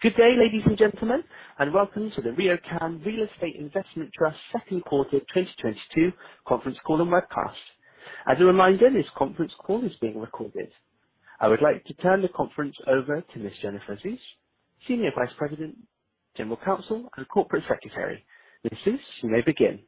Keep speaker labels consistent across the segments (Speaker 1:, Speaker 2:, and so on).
Speaker 1: Good day, ladies and gentlemen and welcome to the RioCan Real Estate Investment Trust second quarter 2022 conference call and webcast. As a reminder, this conference call is being recorded. I would like to turn the conference over to Ms. Jennifer Suess, Senior Vice President, General Counsel and Corporate Secretary. Ms. Suess, you may begin.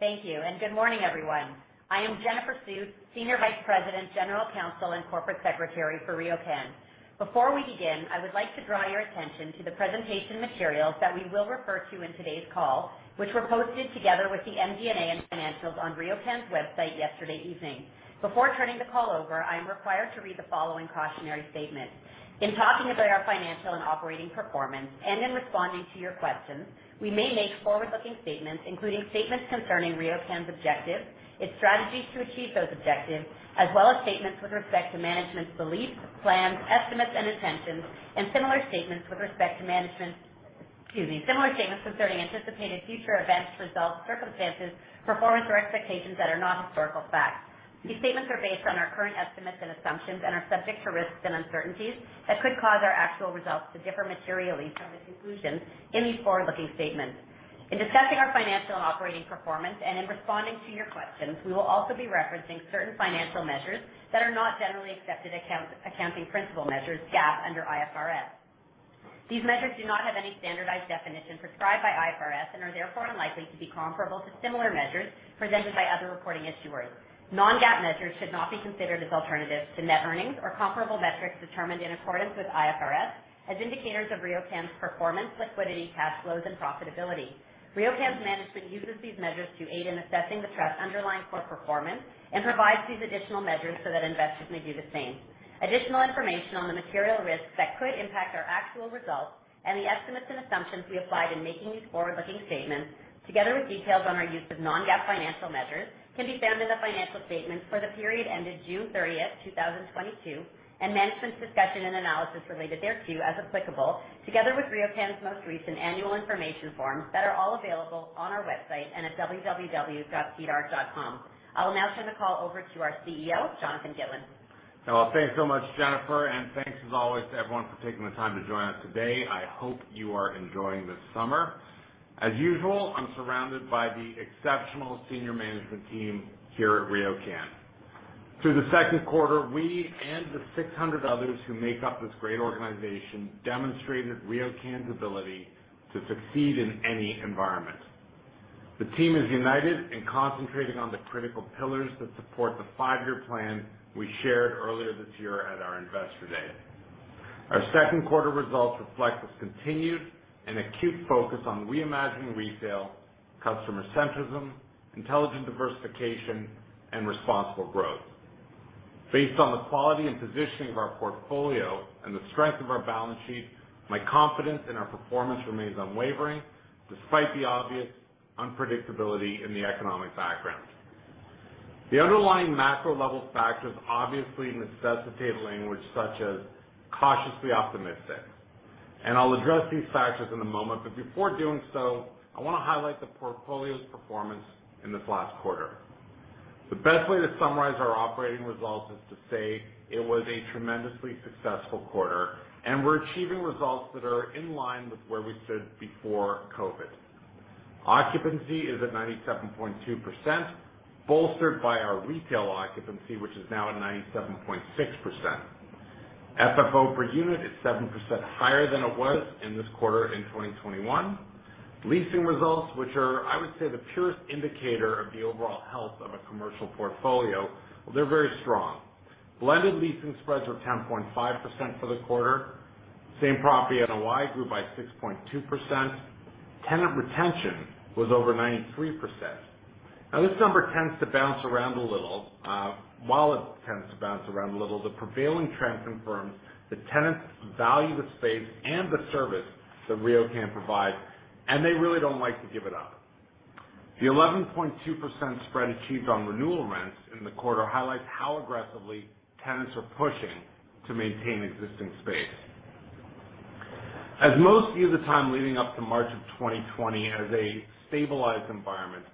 Speaker 2: Thank you and good morning, everyone. I am Jennifer Suess, Senior Vice President, General Counsel and Corporate Secretary for RioCan. Before we begin, I would like to draw your attention to the presentation materials that we will refer to in today's call, which were posted together with the MD&A and financials on RioCan's website yesterday evening. Before turning the call over, I am required to read the following cautionary statement. In talking about our financial and operating performance and in responding to your questions, we may make forward-looking statements, including statements concerning RioCan's objectives, its strategies to achieve those objectives, as well as statements with respect to management's beliefs, plans, estimates and intentions and similar statements concerning anticipated future events, results, circumstances, performance or expectations that are not historical facts. These statements are based on our current estimates and assumptions and are subject to risks and uncertainties that could cause our actual results to differ materially from the conclusions in these forward-looking statements. In discussing our financial operating performance and in responding to your questions, we will also be referencing certain financial measures that are not generally accepted accounting principles measures, GAAP under IFRS. These measures do not have any standardized definition prescribed by IFRS and are therefore unlikely to be comparable to similar measures presented by other reporting issuers. Non-GAAP measures should not be considered as alternatives to net earnings or comparable metrics determined in accordance with IFRS as indicators of RioCan's performance, liquidity, cash flows and profitability. RioCan's management uses these measures to aid in assessing the Trust's underlying core performance and provides these additional measures so that investors may do the same. Additional information on the material risks that could impact our actual results and the estimates and assumptions we applied in making these forward-looking statements, together with details on our use of non-GAAP financial measures, can be found in the financial statements for the period ended 30 June 2022 and management's discussion and analysis related thereto, as applicable, together with RioCan's most recent annual information forms that are all available on our website and at www.sedar.com. I will now turn the call over to our CEO, Jonathan Gitlin.
Speaker 3: Well, thanks so much, Jennifer and thanks as always to everyone for taking the time to join us today. I hope you are enjoying this summer. As usual, I'm surrounded by the exceptional senior management team here at RioCan. Through the second quarter, we and the 600 others who make up this great organization demonstrated RioCan's ability to succeed in any environment. The team is united and concentrating on the critical pillars that support the five-year plan we shared earlier this year at our Investor Day. Our second quarter results reflect this continued and acute focus on reimagining retail, customer-centricity, intelligent diversification and responsible growth. Based on the quality and positioning of our portfolio and the strength of our balance sheet, my confidence in our performance remains unwavering despite the obvious unpredictability in the economic background. The underlying macro level factors obviously necessitate language such as cautiously optimistic and I'll address these factors in a moment but before doing so, I wanna highlight the portfolio's performance in this last quarter. The best way to summarize our operating results is to say it was a tremendously successful quarter and we're achieving results that are in line with where we stood before COVID. Occupancy is at 97.2%, bolstered by our retail occupancy, which is now at 97.6%. FFO per unit is 7% higher than it was in this quarter in 2021. Leasing results, which are, I would say, the purest indicator of the overall health of a commercial portfolio, they're very strong. Blended leasing spreads were 10.5% for the quarter. Same property NOI grew by 6.2%. Tenant retention was over 93%. Now this number tends to bounce around a little. While it tends to bounce around a little, the prevailing trend confirms that tenants value the space and the service that RioCan provides and they really don't like to give it up. The 11.2% spread achieved on renewal rents in the quarter highlights how aggressively tenants are pushing to maintain existing space. As most view the time leading up to March of 2020 as a stabilized environment,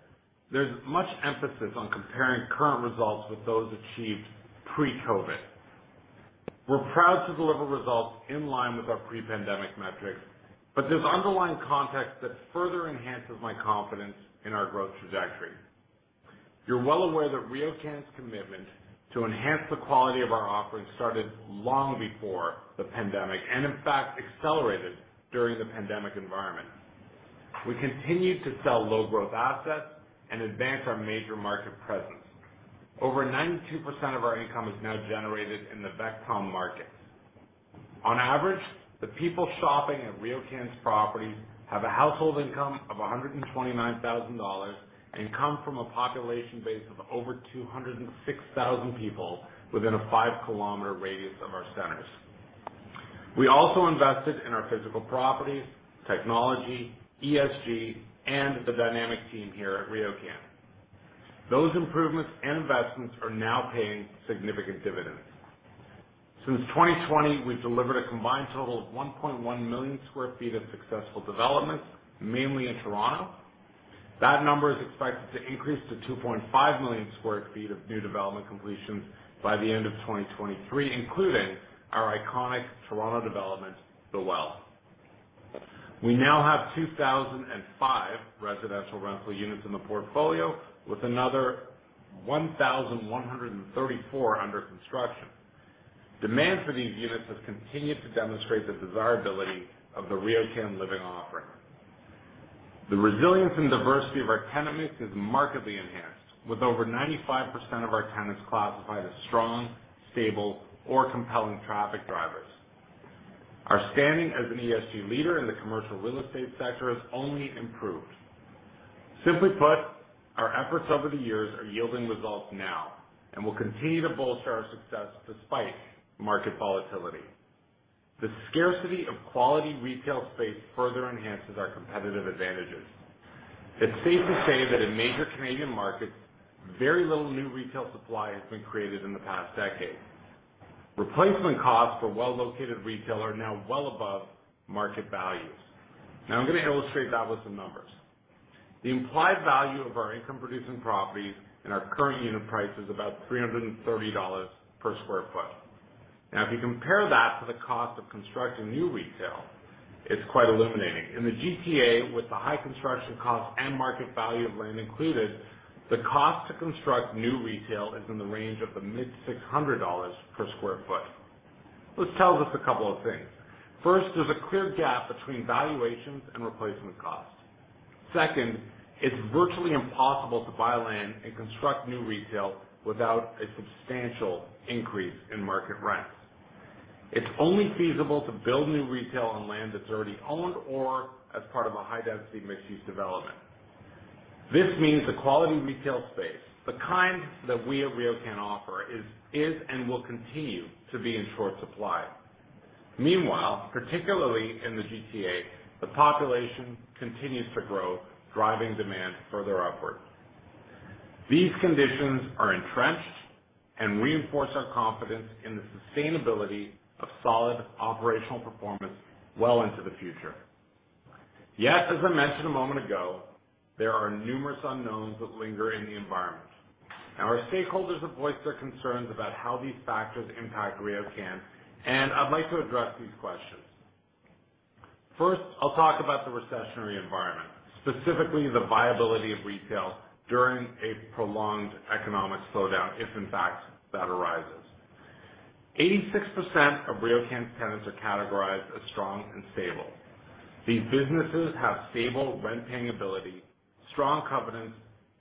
Speaker 3: there's much emphasis on comparing current results with those achieved pre-COVID. We're proud to deliver results in line with our pre-pandemic metrics but there's underlying context that further enhances my confidence in our growth trajectory. You're well aware that RioCan's commitment to enhance the quality of our offerings started long before the pandemic and in fact, accelerated during the pandemic environment. We continued to sell low growth assets and advance our major market presence. Over 92% of our income is now generated in the VECTOM markets. On average, the people shopping at RioCan's properties have a household income of 129,000 dollars and come from a population base of over 206,000 people within a 5-kilometer radius of our centers. We also invested in our physical properties, technology, ESG and the dynamic team here at RioCan. Those improvements and investments are now paying significant dividends. Since 2020, we've delivered a combined total of 1.1 million sq ft of successful developments, mainly in Toronto. That number is expected to increase to 2.5 million sq ft of new development completion by the end of 2023, including our iconic Toronto development, The Well. We now have 2,005 residential rental units in the portfolio, with another 1,134 under construction. Demand for these units has continued to demonstrate the desirability of the RioCan Living offering. The resilience and diversity of our tenant mix is markedly enhanced, with over 95% of our tenants classified as strong, stable or compelling traffic drivers. Our standing as an ESG leader in the commercial real estate sector has only improved. Simply put, our efforts over the years are yielding results now and will continue to bolster our success despite market volatility. The scarcity of quality retail space further enhances our competitive advantages. It's safe to say that in major Canadian markets, very little new retail supply has been created in the past decade. Replacement costs for well-located retail are now well above market values. Now I'm gonna illustrate that with some numbers. The implied value of our income-producing properties and our current unit price is about 330 dollars per sq ft. Now, if you compare that to the cost of constructing new retail, it's quite illuminating. In the GTA, with the high construction cost and market value of land included, the cost to construct new retail is in the range of the mid-CAD 600 per sq ft. This tells us a couple of things. First, there's a clear gap between valuations and replacement costs. Second, it's virtually impossible to buy land and construct new retail without a substantial increase in market rents. It's only feasible to build new retail on land that's already owned or as part of a high-density mixed-use development. This means the quality retail space, the kind that we at RioCan offer, is and will continue to be in short supply. Meanwhile, particularly in the GTA, the population continues to grow, driving demand further upward. These conditions are entrenched and reinforce our confidence in the sustainability of solid operational performance well into the future. Yet, as I mentioned a moment ago, there are numerous unknowns that linger in the environment. Our stakeholders have voiced their concerns about how these factors impact RioCan and I'd like to address these questions. First, I'll talk about the recessionary environment, specifically the viability of retail during a prolonged economic slowdown, if in fact, that arises. 86% of RioCan's tenants are categorized as strong and stable. These businesses have stable rent-paying ability, strong covenants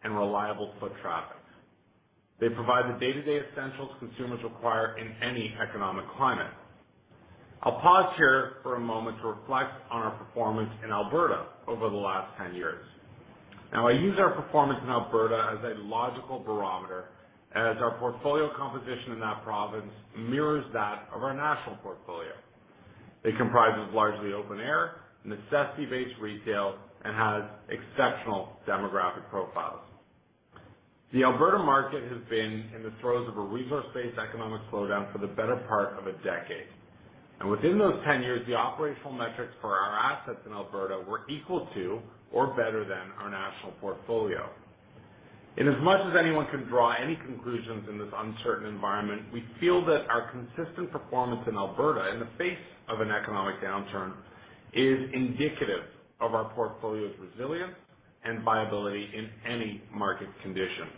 Speaker 3: and reliable foot traffic. They provide the day-to-day essentials consumers require in any economic climate. I'll pause here for a moment to reflect on our performance in Alberta over the last 10 years. Now, I use our performance in Alberta as a logical barometer, as our portfolio composition in that province mirrors that of our national portfolio. It comprises largely open air, necessity-based retail and has exceptional demographic profiles. The Alberta market has been in the throes of a resource-based economic slowdown for the better part of a decade. Within those 10 years, the operational metrics for our assets in Alberta were equal to or better than our national portfolio. In as much as anyone can draw any conclusions in this uncertain environment, we feel that our consistent performance in Alberta in the face of an economic downturn is indicative of our portfolio's resilience and viability in any market conditions.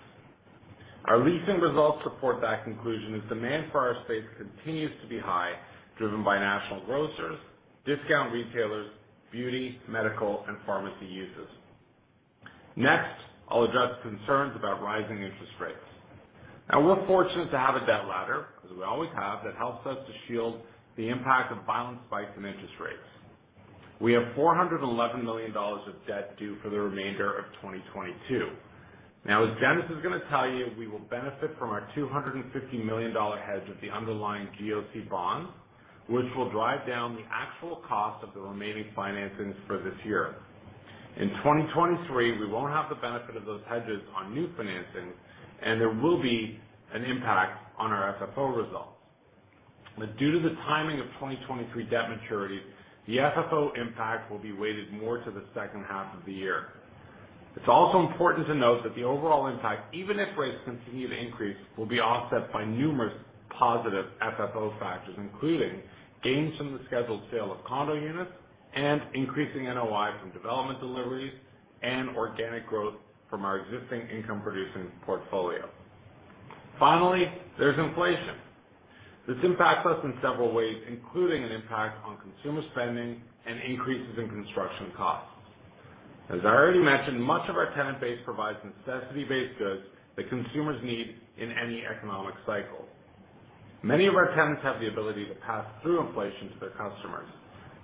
Speaker 3: Our leasing results support that conclusion as demand for our space continues to be high, driven by national grocers, discount retailers, beauty, medical and pharmacy uses. Next, I'll address concerns about rising interest rates. Now we're fortunate to have a debt ladder, as we always have, that helps us to shield the impact of violent spikes in interest rates. We have 411 million dollars of debt due for the remainder of 2022. Now, as Janice is gonna tell you, we will benefit from our 250 million dollar hedge with the underlying GoC bond, which will drive down the actual cost of the remaining financings for this year. In 2023, we won't have the benefit of those hedges on new financing and there will be an impact on our FFO results. Due to the timing of 2023 debt maturity, the FFO impact will be weighted more to the second half of the year. It's also important to note that the overall impact, even if rates continue to increase, will be offset by numerous positive FFO factors, including gains from the scheduled sale of condo units and increasing NOI from development deliveries and organic growth from our existing income-producing portfolio. Finally, there's inflation. This impacts us in several ways, including an impact on consumer spending and increases in construction costs. As I already mentioned, much of our tenant base provides necessity-based goods that consumers need in any economic cycle. Many of our tenants have the ability to pass through inflation to their customers.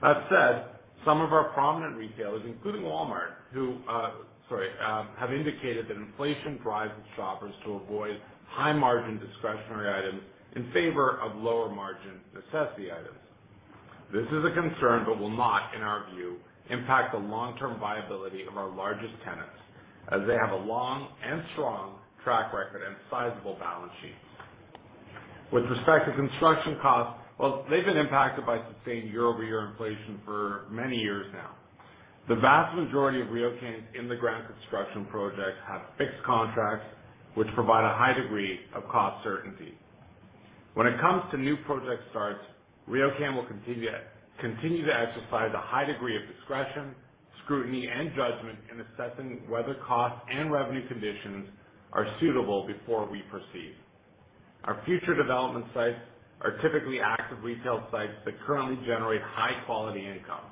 Speaker 3: That said, some of our prominent retailers, including Walmart, have indicated that inflation drives its shoppers to avoid high-margin discretionary items in favor of lower-margin necessity items. This is a concern but will not, in our view, impact the long-term viability of our largest tenants as they have a long and strong track record and sizable balance sheets. With respect to construction costs, well, they've been impacted by sustained year-over-year inflation for many years now. The vast majority of RioCan in the ground construction projects have fixed contracts which provide a high degree of cost certainty. When it comes to new project starts, RioCan will continue to exercise a high degree of discretion, scrutiny and judgment in assessing whether cost and revenue conditions are suitable before we proceed. Our future development sites are typically active retail sites that currently generate high quality income.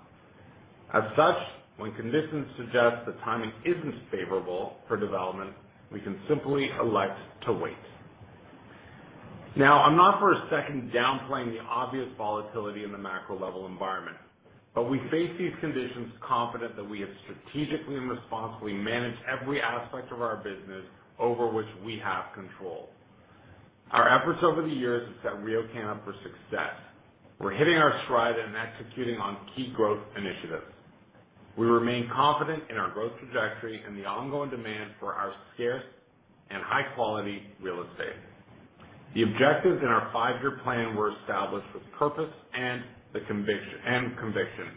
Speaker 3: As such, when conditions suggest the timing isn't favorable for development, we can simply elect to wait. Now, I'm not for a second downplaying the obvious volatility in the macro level environment but we face these conditions confident that we have strategically and responsibly managed every aspect of our business over which we have control. Our efforts over the years have set RioCan up for success. We're hitting our stride and executing on key growth initiatives. We remain confident in our growth trajectory and the ongoing demand for our scarce and high-quality real estate. The objectives in our five-year plan were established with purpose and the conviction.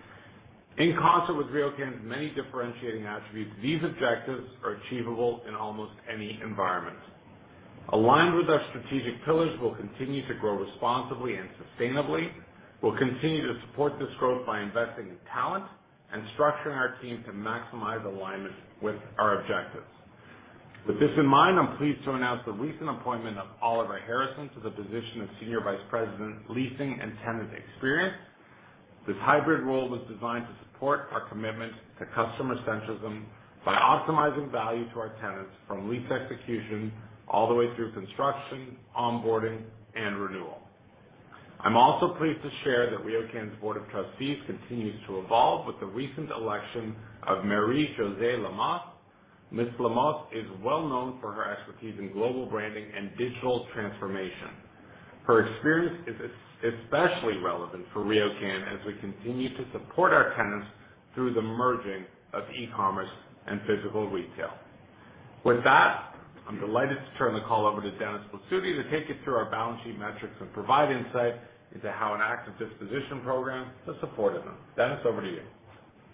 Speaker 3: In concert with RioCan's many differentiating attributes, these objectives are achievable in almost any environment. Aligned with our strategic pillars, we'll continue to grow responsibly and sustainably. We'll continue to support this growth by investing in talent and structuring our team to maximize alignment with our objectives. With this in mind, I'm pleased to announce the recent appointment of Oliver Harrison to the position of Senior Vice President, Leasing and Tenant Experience. This hybrid role was designed to support our commitment to customer centralism by optimizing value to our tenants from lease execution all the way through construction, onboarding and renewal. I'm also pleased to share that RioCan's Board of Trustees continues to evolve with the recent election of Marie-Josée Lamothe. Ms. Lamothe is well known for her expertise in global branding and digital transformation. Her experience is especially relevant for RioCan as we continue to support our tenants through the merging of e-commerce and physical retail. With that, I'm delighted to turn the call over to Dennis Blasutti to take you through our balance sheet metrics and provide insight into how an active disposition program has supported them. Dennis, over to you.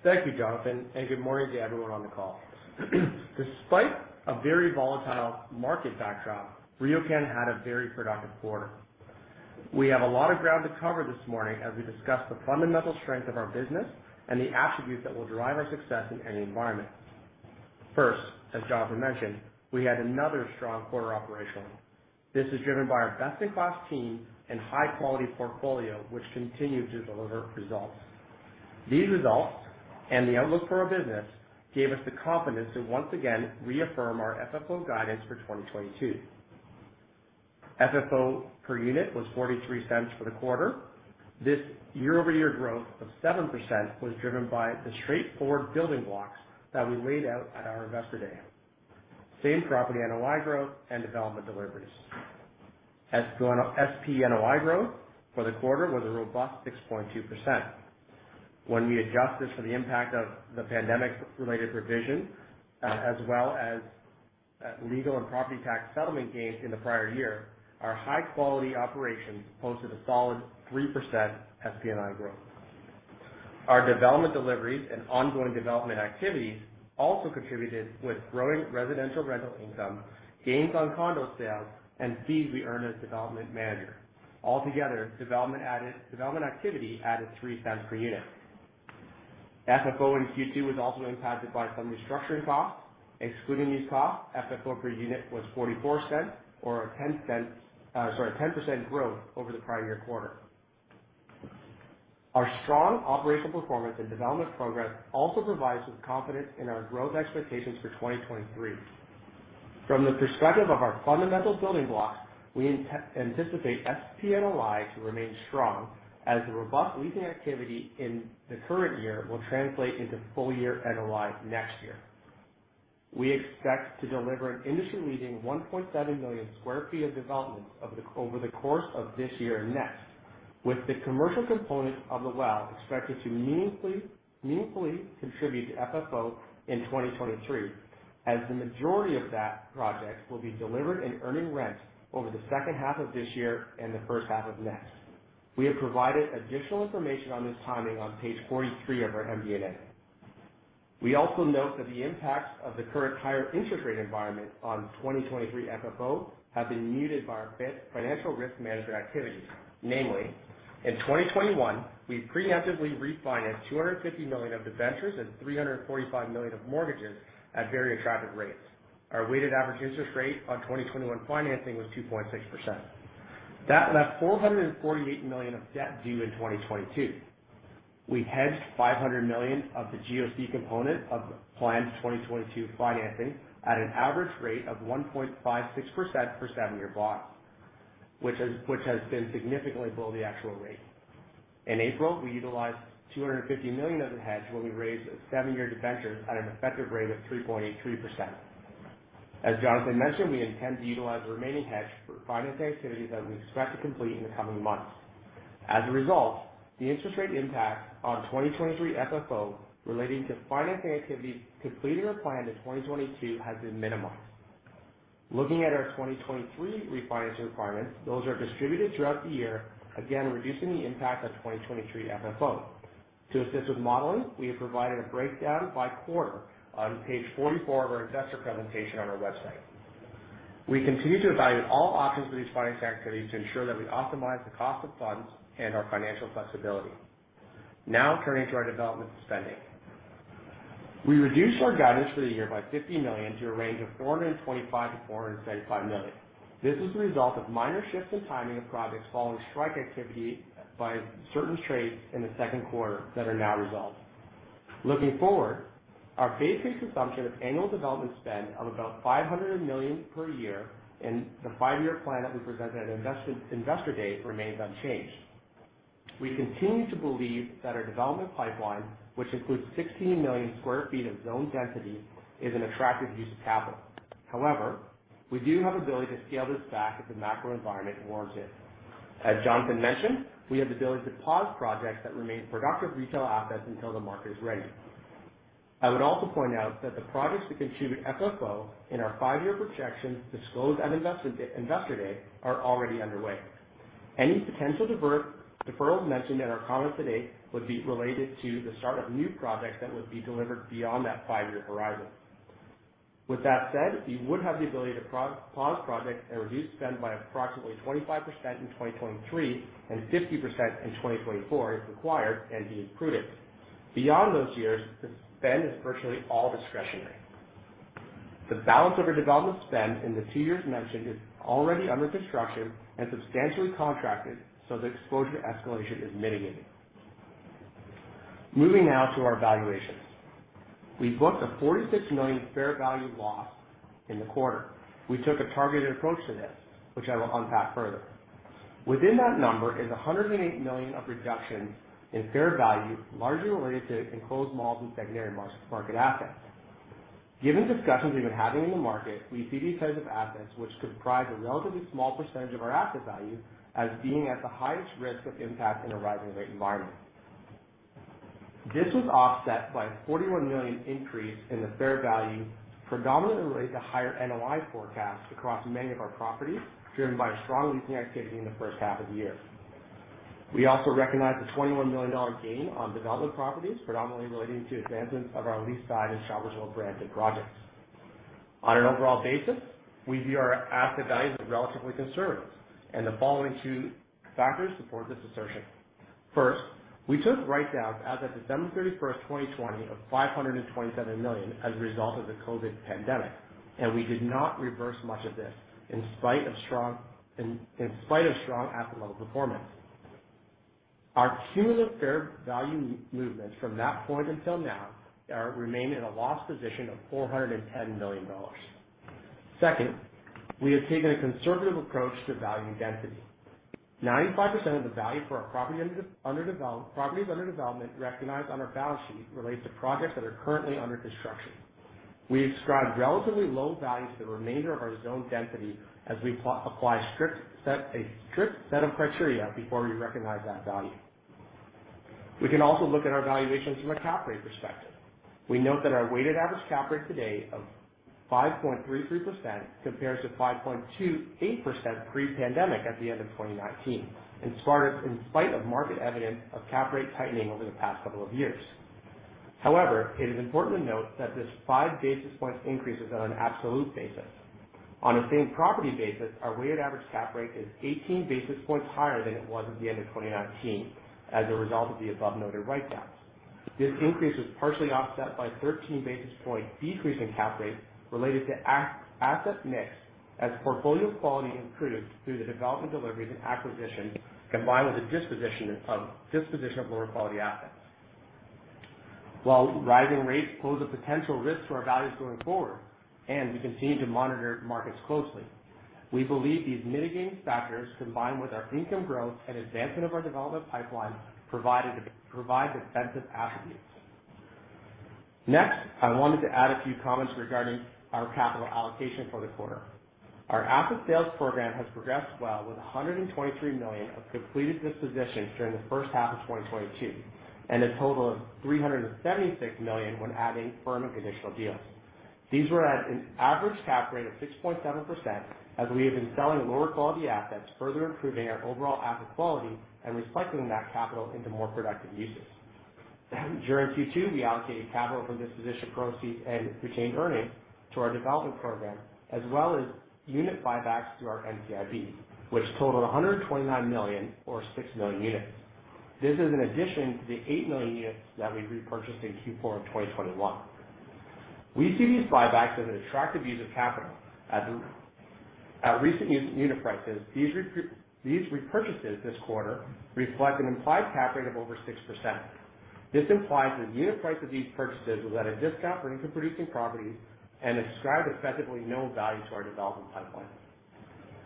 Speaker 4: Thank you, Jonathan and good morning to everyone on the call. Despite a very volatile market backdrop, RioCan had a very productive quarter. We have a lot of ground to cover this morning as we discuss the fundamental strength of our business and the attributes that will drive our success in any environment. First, as Jonathan mentioned, we had another strong quarter operationally. This is driven by our best-in-class team and high-quality portfolio, which continued to deliver results. These results and the outlook for our business gave us the confidence to once again reaffirm our FFO guidance for 2022. FFO per unit was 0.43 for the quarter. This year-over-year growth of 7% was driven by the straightforward building blocks that we laid out at our Investor Day. Same property NOI growth and development deliveries. SP NOI growth for the quarter was a robust 6.2%. When we adjust this for the impact of the pandemic-related revision, as well as legal and property tax settlement gains in the prior year, our high-quality operations posted a solid 3% SP NOI growth. Our development deliveries and ongoing development activities also contributed with growing residential rental income, gains on condo sales and fees we earn as development manager. Altogether, development activity added 0.03 per unit. FFO in Q2 was also impacted by some restructuring costs. Excluding these costs, FFO per unit was 0.44 or a 10% growth over the prior year quarter. Our strong operational performance and development progress also provides us confidence in our growth expectations for 2023. From the perspective of our fundamental building blocks, we anticipate SP NOI to remain strong as the robust leasing activity in the current year will translate into full year NOI next year. We expect to deliver an industry-leading 1.7 million sq ft of development over the course of this year and next, with the commercial component of The Well expected to meaningfully contribute to FFO in 2023, as the majority of that project will be delivered and earning rent over the second half of this year and the first half of next. We have provided additional information on this timing on page 43 of our MD&A. We also note that the impacts of the current higher interest rate environment on 2023 FFO have been muted by our financial risk management activities. Namely, in 2021, we preemptively refinanced 250 million of the ventures and 345 million of mortgages at very attractive rates. Our weighted average interest rate on 2021 financing was 2.6%. That left 448 million of debt due in 2022. We hedged 500 million of the GoC component of planned 2022 financing at an average rate of 1.56% for seven-year bonds, which has been significantly below the actual rate. In April, we utilized 250 million of the hedge when we raised seven-year debentures at an effective rate of 3.83%. As Jonathan mentioned, we intend to utilize the remaining hedge for financing activities that we expect to complete in the coming months. As a result, the interest rate impact on 2023 FFO relating to financing activities completed or planned in 2022 has been minimized. Looking at our 2023 refinancing requirements, those are distributed throughout the year, again, reducing the impact on 2023 FFO. To assist with modeling, we have provided a breakdown by quarter on page 44 of our investor presentation on our website. We continue to evaluate all options for these financing activities to ensure that we optimize the cost of funds and our financial flexibility. Now turning to our development spending. We reduced our guidance for the year by 50 million to a range of 425 million-435 million. This is the result of minor shifts in timing of projects following strike activity by certain trades in the second quarter that are now resolved. Looking forward, our base case assumption of annual development spend of about 500 million per year in the five-year plan that we presented at Investor Day remains unchanged. We continue to believe that our development pipeline, which includes 16 million sq ft of zoned density, is an attractive use of capital. However, we do have ability to scale this back if the macro environment warrants it. As Jonathan mentioned, we have the ability to pause projects that remain productive retail assets until the market is ready. I would also point out that the projects that contribute FFO in our five-year projections disclosed at Investor Day are already underway. Any potential deferrals mentioned in our comments today would be related to the start of new projects that would be delivered beyond that five-year horizon. With that said, we would have the ability to pause projects and reduce spend by approximately 25% in 2023 and 50% in 2024 if required and deemed prudent. Beyond those years, the spend is virtually all discretionary. The balance of our development spend in the two years mentioned is already under construction and substantially contracted, so the exposure to escalation is mitigated. Moving now to our valuations. We booked a 46 million fair value loss in the quarter. We took a targeted approach to this, which I will unpack further. Within that number is 108 million of reductions in fair value, largely related to enclosed malls and secondary market assets. Given discussions we've been having in the market, we see these types of assets, which comprise a relatively small percentage of our asset value, as being at the highest risk of impact in a rising rate environment. This was offset by a 41 million increase in the fair value, predominantly related to higher NOI forecasts across many of our properties, driven by strong leasing activity in the first half of the year. We also recognized a 21 million dollar gain on development properties, predominantly relating to advancements of our Leaside and Shoppers World branded projects. On an overall basis, we view our asset values as relatively conservative and the following two factors support this assertion. First, we took write-downs as of 31 December 2020, of 527 million as a result of the COVID pandemic and we did not reverse much of this, in spite of strong asset level performance. Our cumulative fair value movements from that point until now remain in a loss position of 410 million dollars. Second, we have taken a conservative approach to valuing density. 95% of the value for our properties under development recognized on our balance sheet relate to projects that are currently under construction. We ascribe relatively low value to the remainder of our zoned density as we apply a strict set of criteria before we recognize that value. We can also look at our valuations from a cap rate perspective. We note that our weighted average cap rate today of 5.33% compares to 5.28% pre-pandemic at the end of 2019, in spite of market evidence of cap rate tightening over the past couple of years. However, it is important to note that this 5 basis points increase is on an absolute basis. On a same property basis, our weighted average cap rate is 18 basis points higher than it was at the end of 2019 as a result of the above noted write-downs. This increase was partially offset by a 13 basis points decrease in cap rate related to asset mix as portfolio quality improved through the development deliveries and acquisitions, combined with the disposition of lower quality assets. While rising rates pose a potential risk to our values going forward and we continue to monitor markets closely, we believe these mitigating factors, combined with our income growth and advancement of our development pipeline, provides defensive attributes. Next, I wanted to add a few comments regarding our capital allocation for the quarter. Our asset sales program has progressed well with 123 million of completed dispositions during the first half of 2022 and a total of 376 million when adding firm additional deals. These were at an average cap rate of 6.7% as we have been selling lower quality assets, further improving our overall asset quality and recycling that capital into more productive uses. During Q2, we allocated capital from disposition proceeds and retained earnings to our development program as well as unit buybacks through our NCIB, which totaled 129 million or 6 million units. This is in addition to the 8 million units that we repurchased in Q4 of 2021. We see these buybacks as an attractive use of capital. At recent unit prices, these repurchases this quarter reflect an implied cap rate of over 6%. This implies the unit price of these purchases was at a discount for income-producing properties and ascribed effectively no value to our development pipeline.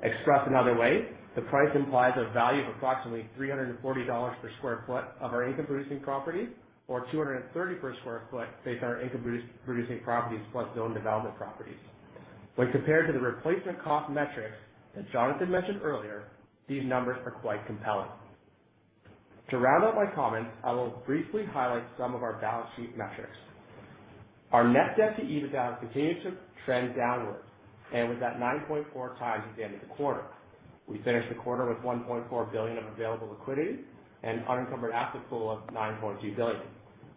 Speaker 4: Expressed another way, the price implies a value of approximately 340 dollars per sq ft of our income-producing property or 230 per sq ft based on our income-producing properties plus zoned development properties. When compared to the replacement cost metrics that Jonathan mentioned earlier, these numbers are quite compelling. To round out my comments, I will briefly highlight some of our balance sheet metrics. Our net debt to EBITDA continues to trend downwards and was at 9.4 times at the end of the quarter. We finished the quarter with 1.4 billion of available liquidity and an unencumbered asset pool of 9.2 billion.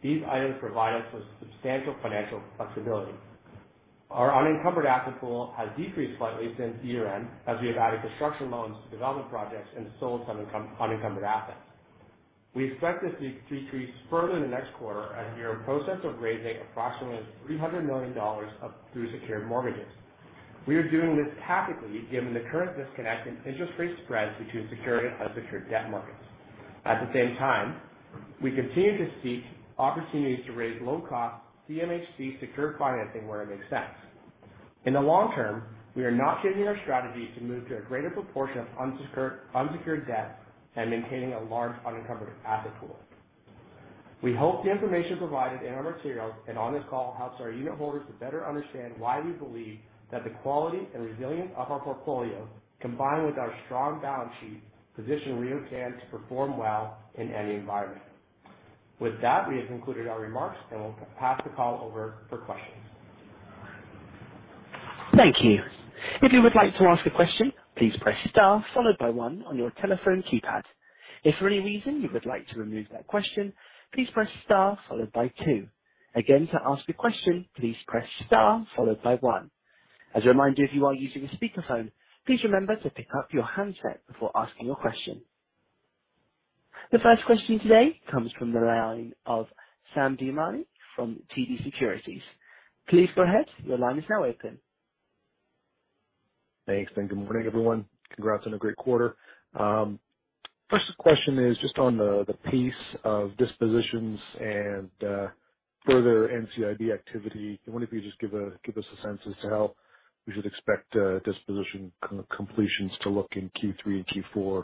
Speaker 4: These items provide us with substantial financial flexibility. Our unencumbered asset pool has decreased slightly since year-end as we have added construction loans to development projects and sold some unencumbered assets. We expect this to decrease further in the next quarter as we are in the process of raising approximately 300 million dollars through secured mortgages. We are doing this tactically, given the current disconnect in interest rate spreads between secured and unsecured debt markets. At the same time, we continue to seek opportunities to raise low-cost CMHC secured financing where it makes sense. In the long term, we are not changing our strategy to move to a greater proportion of unsecured debt and maintaining a large unencumbered asset pool. We hope the information provided in our materials and on this call helps our unitholders to better understand why we believe that the quality and resilience of our portfolio, combined with our strong balance sheet, position RioCan to perform well in any environment. With that, we have concluded our remarks and we'll pass the call over for questions.
Speaker 1: Thank you. If you would like to ask a question, please press star followed by one on your telephone keypad. If for any reason you would like to remove that question, please press star followed by two. Again, to ask a question, please press star followed by one. As a reminder, if you are using a speakerphone, please remember to pick up your handset before asking your question. The first question today comes from the line of Sam Damiani from TD Securities. Please go ahead. Your line is now open.
Speaker 5: Thanks and good morning, everyone. Congrats on a great quarter. First question is just on the pace of dispositions and further NCIB activity. I wonder if you could just give us a sense as to how we should expect disposition completions to look in Q3 and Q4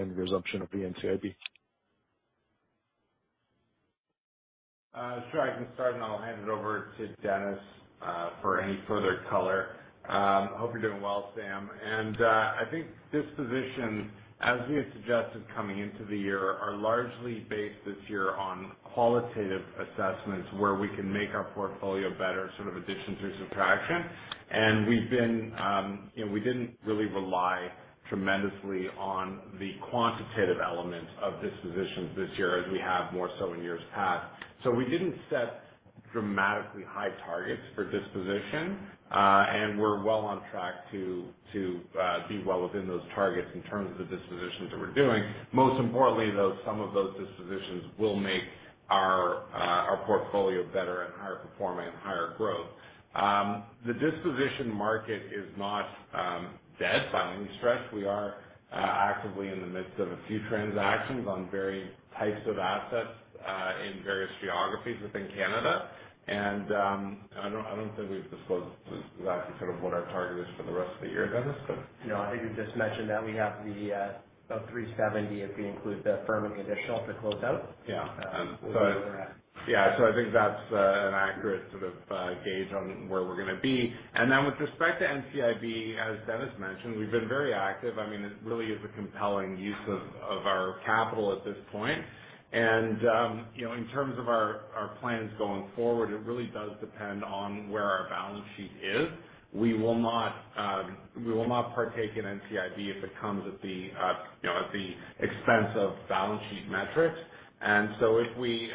Speaker 5: and resumption of the NCIB?
Speaker 3: Sure. I can start and I'll hand it over to Dennis for any further color. I hope you're doing well, Sam. I think dispositions, as we had suggested coming into the year, are largely based this year on qualitative assessments where we can make our portfolio better, sort of addition through subtraction. We've been, you know, we didn't really rely tremendously on the quantitative elements of dispositions this year, as we have more so in years past. We didn't set dramatically high targets for disposition. We're well on track to be well within those targets in terms of the dispositions that we're doing. Most importantly, though, some of those dispositions will make our portfolio better and higher performing and higher growth. The disposition market is not dead by any stretch. We are actively in the midst of a few transactions on various types of assets in various geographies within Canada. I don't think we've disclosed exactly sort of what our target is for the rest of the year. Dennis?
Speaker 4: No, I think we just mentioned that we have about 370 if we include the Fermont additional to close out where we were at.
Speaker 3: I think that's an accurate sort of gauge on where we're gonna be. Then with respect to NCIB, as Dennis mentioned, we've been very active. I mean, it really is a compelling use of our capital at this point. In terms of our plans going forward, it really does depend on where our balance sheet is. We will not partake in NCIB if it comes at the expense of balance sheet metrics. If we,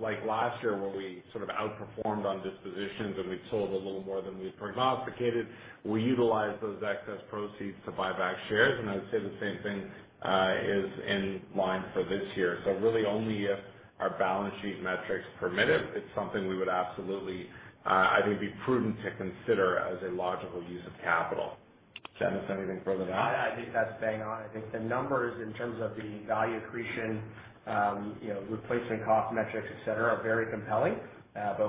Speaker 3: like last year, where we sort of outperformed on dispositions and we sold a little more than we had prognosticated, we'll utilize those excess proceeds to buy back shares. I would say the same thing is in line for this year. Really only if our balance sheet metrics permit it's something we would absolutely, I think, be prudent to consider as a logical use of capital. Dennis, anything further to add?
Speaker 4: I think that's bang on. I think the numbers in terms of the value accretion, replacement cost metrics, et cetera, are very compelling.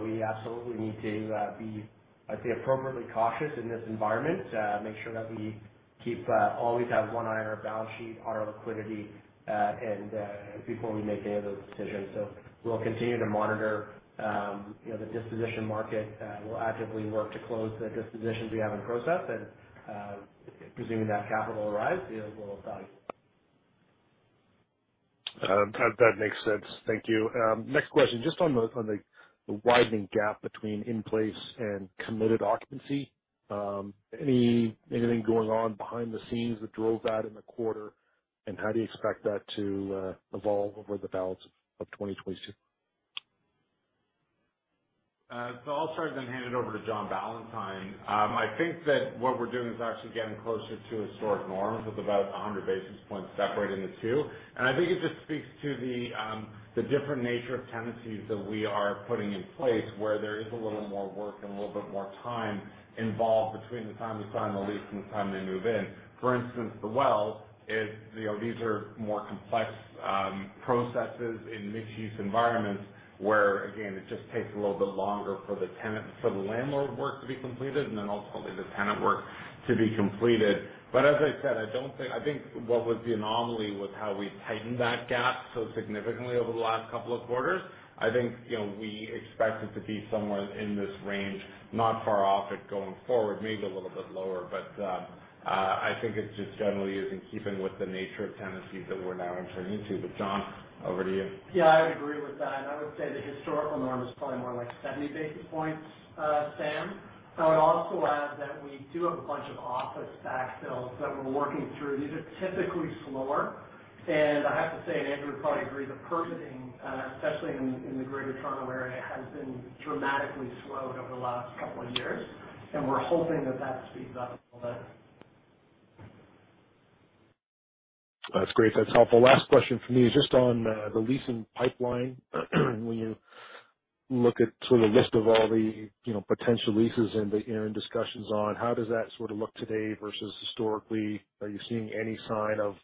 Speaker 4: We absolutely need to be, I'd say, appropriately cautious in this environment, make sure that we keep always have one eye on our balance sheet, on our liquidity and before we make any of those decisions. We'll continue to monitor the disposition market, we'll actively work to close the dispositions we have in process. Presuming that capital arrives, it will value.
Speaker 5: That makes sense. Thank you. Next question, just on the widening gap between in-place and committed occupancy. Anything going on behind the scenes that drove that in the quarter? And how do you expect that to evolve over the balance of 2022?
Speaker 3: I'll start then hand it over to John Ballantyne. I think that what we're doing is actually getting closer to historic norms with about 100 basis points separating the two. I think it just speaks to the different nature of tenancies that we are putting in place, where there is a little more work and a little bit more time involved between the time we sign the lease and the time they move in. For instance, The Well is, you know, these are more complex processes in mixed-use environments, where again, it just takes a little bit longer for the tenant, for the landlord work to be completed and then ultimately the tenant work to be completed. As I said, I think what was the anomaly was how we tightened that gap so significantly over the last couple of quarters. I think, you know, we expect it to be somewhere in this range, not far off it going forward, maybe a little bit lower. I think it just generally is in keeping with the nature of tenancies that we're now entering into. John, over to you.
Speaker 6: Yeah, I agree with that. I would say the historical norm is probably more like 70 basis points, Sam. I would also add that we do have a bunch of office stack sales that we're working through. These are typically slower. I have to say and Andrew would probably agree, the purchasing, especially in the Greater Toronto Area, has been dramatically slowed over the last couple of years and we're hoping that that speeds up a little bit.
Speaker 5: That's great. That's helpful. Last question for me is just on the leasing pipeline. When you look at sort of the list of all the, you know, potential leases and the you're in discussions on, how does that sort of look today versus historically? Are you seeing any sign of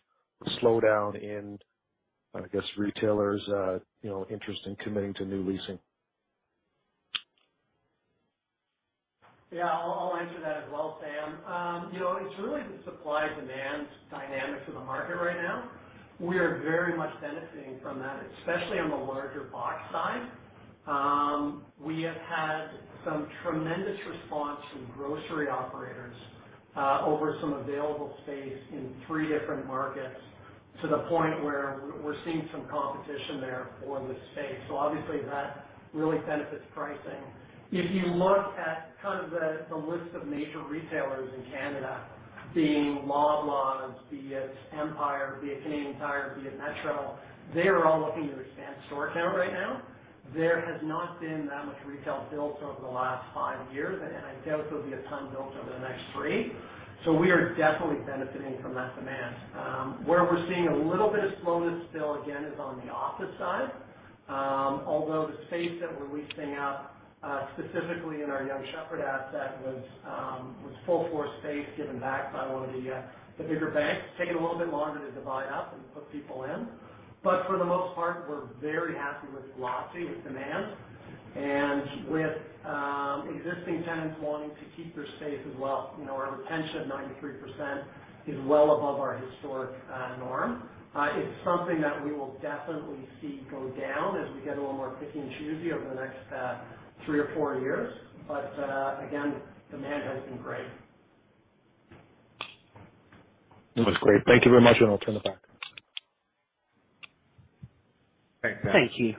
Speaker 5: a slowdown in, I guess, retailers, you know, interest in committing to new leasing?
Speaker 6: Yeah, I'll answer that as well, Sam. You know, it's really the supply-demand dynamics of the market right now. We are very much benefiting from that, especially on the larger box side. We have had some tremendous response from grocery operators over some available space in three different markets, to the point where we're seeing some competition there for the space. So obviously that really benefits pricing. If you look at kind of the list of major retailers in Canada, being Loblaws, be it Empire, be it Canadian Tire, be it Metro, they are all looking to expand store count right now. There has not been that much retail built over the last five years and I doubt there'll be a ton built over the next three. So we are definitely benefiting from that demand. Where we're seeing a little bit of slowness still again is on the office side. Although the space that we're leasing out, specifically in our Yonge-Sheppard asset, was full floor space given back by one of the bigger banks, taking a little bit longer to divide up and put people in. For the most part, we're very happy with velocity, with demand and with existing tenants wanting to keep their space as well. You know, our retention of 93% is well above our historic norm. It's something that we will definitely see go down as we get a little more picky and choosy over the next three or four years. Again, demand has been great.
Speaker 5: That was great. Thank you very much. I'll turn it back.
Speaker 3: Thanks, Sam.
Speaker 1: Thank you.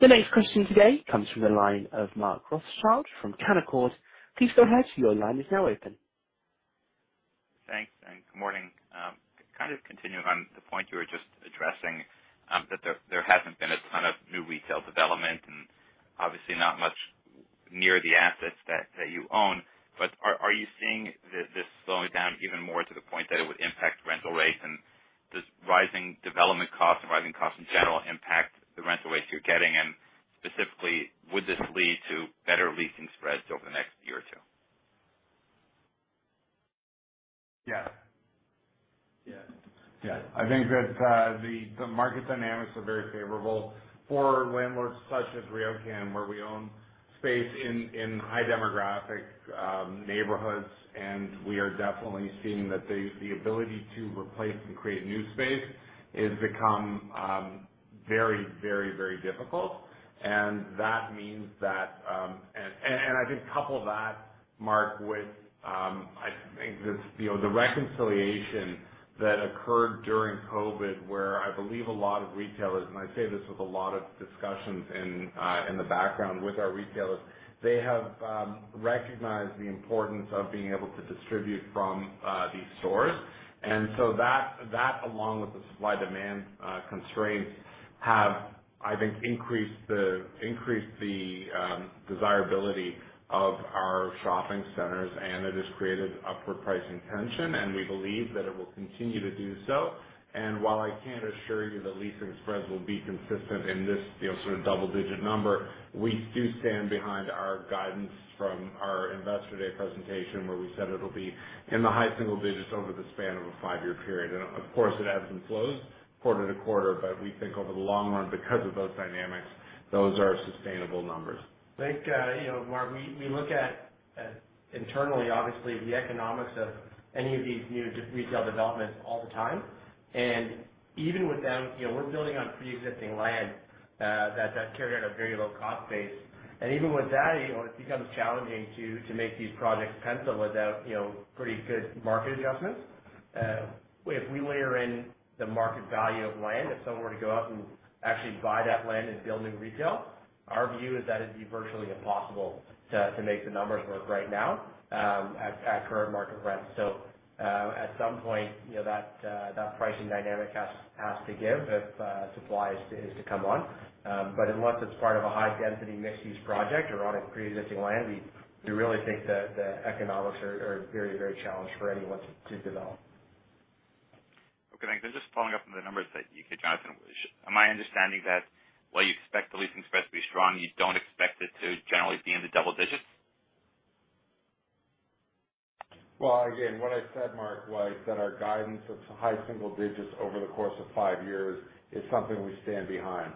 Speaker 1: The next question today comes from the line of Mark Rothschild from Canaccord. Please go ahead. Your line is now open.
Speaker 7: Thanks and good morning. To kind of continue on the point you were just addressing, that there hasn't been a ton of new retail development and obviously not much near the assets that you own. Are you seeing this slowing down even more to the point that it would impact rental rates? Does rising development costs and rising costs in general impact the rental rates you're getting? Specifically, would this lead to better leasing spreads over the next year or two?
Speaker 3: Yeah. I think that the market dynamics are very favorable for landlords such as RioCan, where we own space in high demographic neighborhoods and we are definitely seeing that the ability to replace and create new space has become very difficult. That means that I think couple that, Mark, with I think this, you know, the reconciliation that occurred during COVID, where I believe a lot of retailers and I say this with a lot of discussions in the background with our retailers, they have recognized the importance of being able to distribute from these stores. That along with the supply-demand constraints have increased the desirability of our shopping centers and it has created upward pricing tension and we believe that it will continue to do so. While I can't assure you the leasing spreads will be consistent in this, you know, sort of double-digit number, we do stand behind our guidance from our Investor Day presentation, where we said it'll be in the high single digits over the span of a five-year period. Of course, it ebbs and flows quarter to quarter but we think over the long run, because of those dynamics, those are sustainable numbers.
Speaker 6: I think, you know, Mark, we look at internally, obviously, the economics of any of these new retail developments all the time. Even with them, you know, we're building on preexisting land that carried at a very low cost base. Even with that, you know, it becomes challenging to make these projects pencil without, you know, pretty good market adjustments. If we layer in the market value of land, if someone were to go out and actually buy that land and build new retail, our view is that it'd be virtually impossible to make the numbers work right now, at current market rents. At some point, you know, that pricing dynamic has to give if supply is to come on. Unless it's part of a high-density mixed-use project or on a preexisting land, we really think the economics are very challenged for anyone to develop.
Speaker 7: Okay, thanks. Just following up on the numbers that you gave, Jonathan. Am I understanding that while you expect the leasing spreads to be strong, you don't expect it to generally be in the double digits?
Speaker 3: Well, again, what I said, Mark, was that our guidance of high single digits over the course of five years is something we stand behind.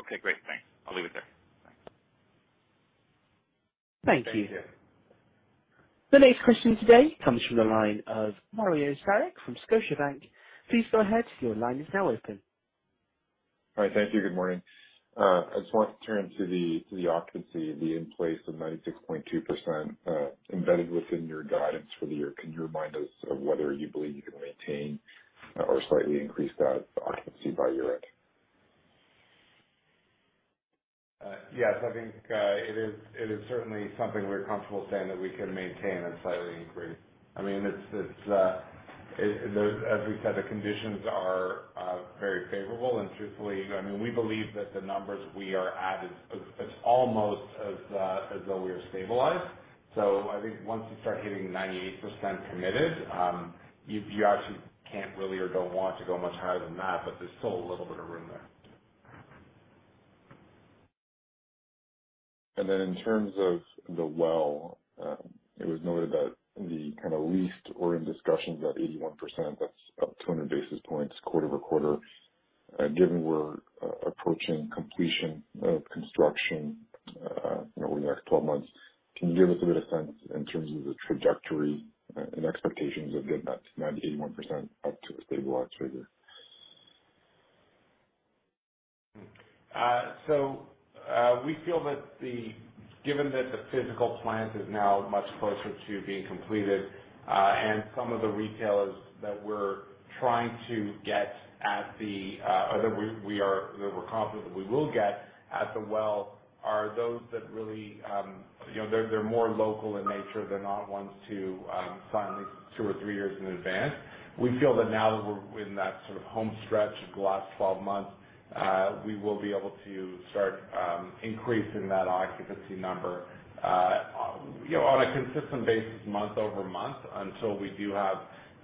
Speaker 7: Okay, great. Thanks. I'll leave it there. Thanks.
Speaker 1: Thank you.
Speaker 3: Thank you.
Speaker 1: The next question today comes from the line of Mario Saric from Scotiabank. Please go ahead. Your line is now open.
Speaker 8: All right. Thank you. Good morning. I just want to turn to the occupancy, the in-place of 96.2%, embedded within your guidance for the year. Can you remind us of whether you believe you can maintain or slightly increase that occupancy by year-end?
Speaker 3: Yes. I think it is certainly something we're comfortable saying that we can maintain and slightly increase. I mean, it's as we said, the conditions are very favorable. Truthfully, I mean, we believe that the numbers we are at is almost as though we are stabilized. I think once you start hitting 98% committed, you actually can't really or don't want to go much higher than that but there's still a little bit of room there.
Speaker 8: In terms of The Well, it was noted that the kind of leased or in discussions at 81%, that's up 200 basis points quarter-over-quarter. Given we're approaching completion of construction, you know, over the next 12 months, can you give us a bit of sense in terms of the trajectory and expectations of getting that 90, 81 percent up to a stabilized figure?
Speaker 3: We feel that given that the physical plant is now much closer to being completed and some of the retailers that we're confident that we will get at The Well are those that really, you know, they're more local in nature. They're not ones to sign leases two or three years in advance. We feel that now that we're in that sort of home stretch of the last 12 months, we will be able to start increasing that occupancy number on a consistent basis, month-over-month, until we do have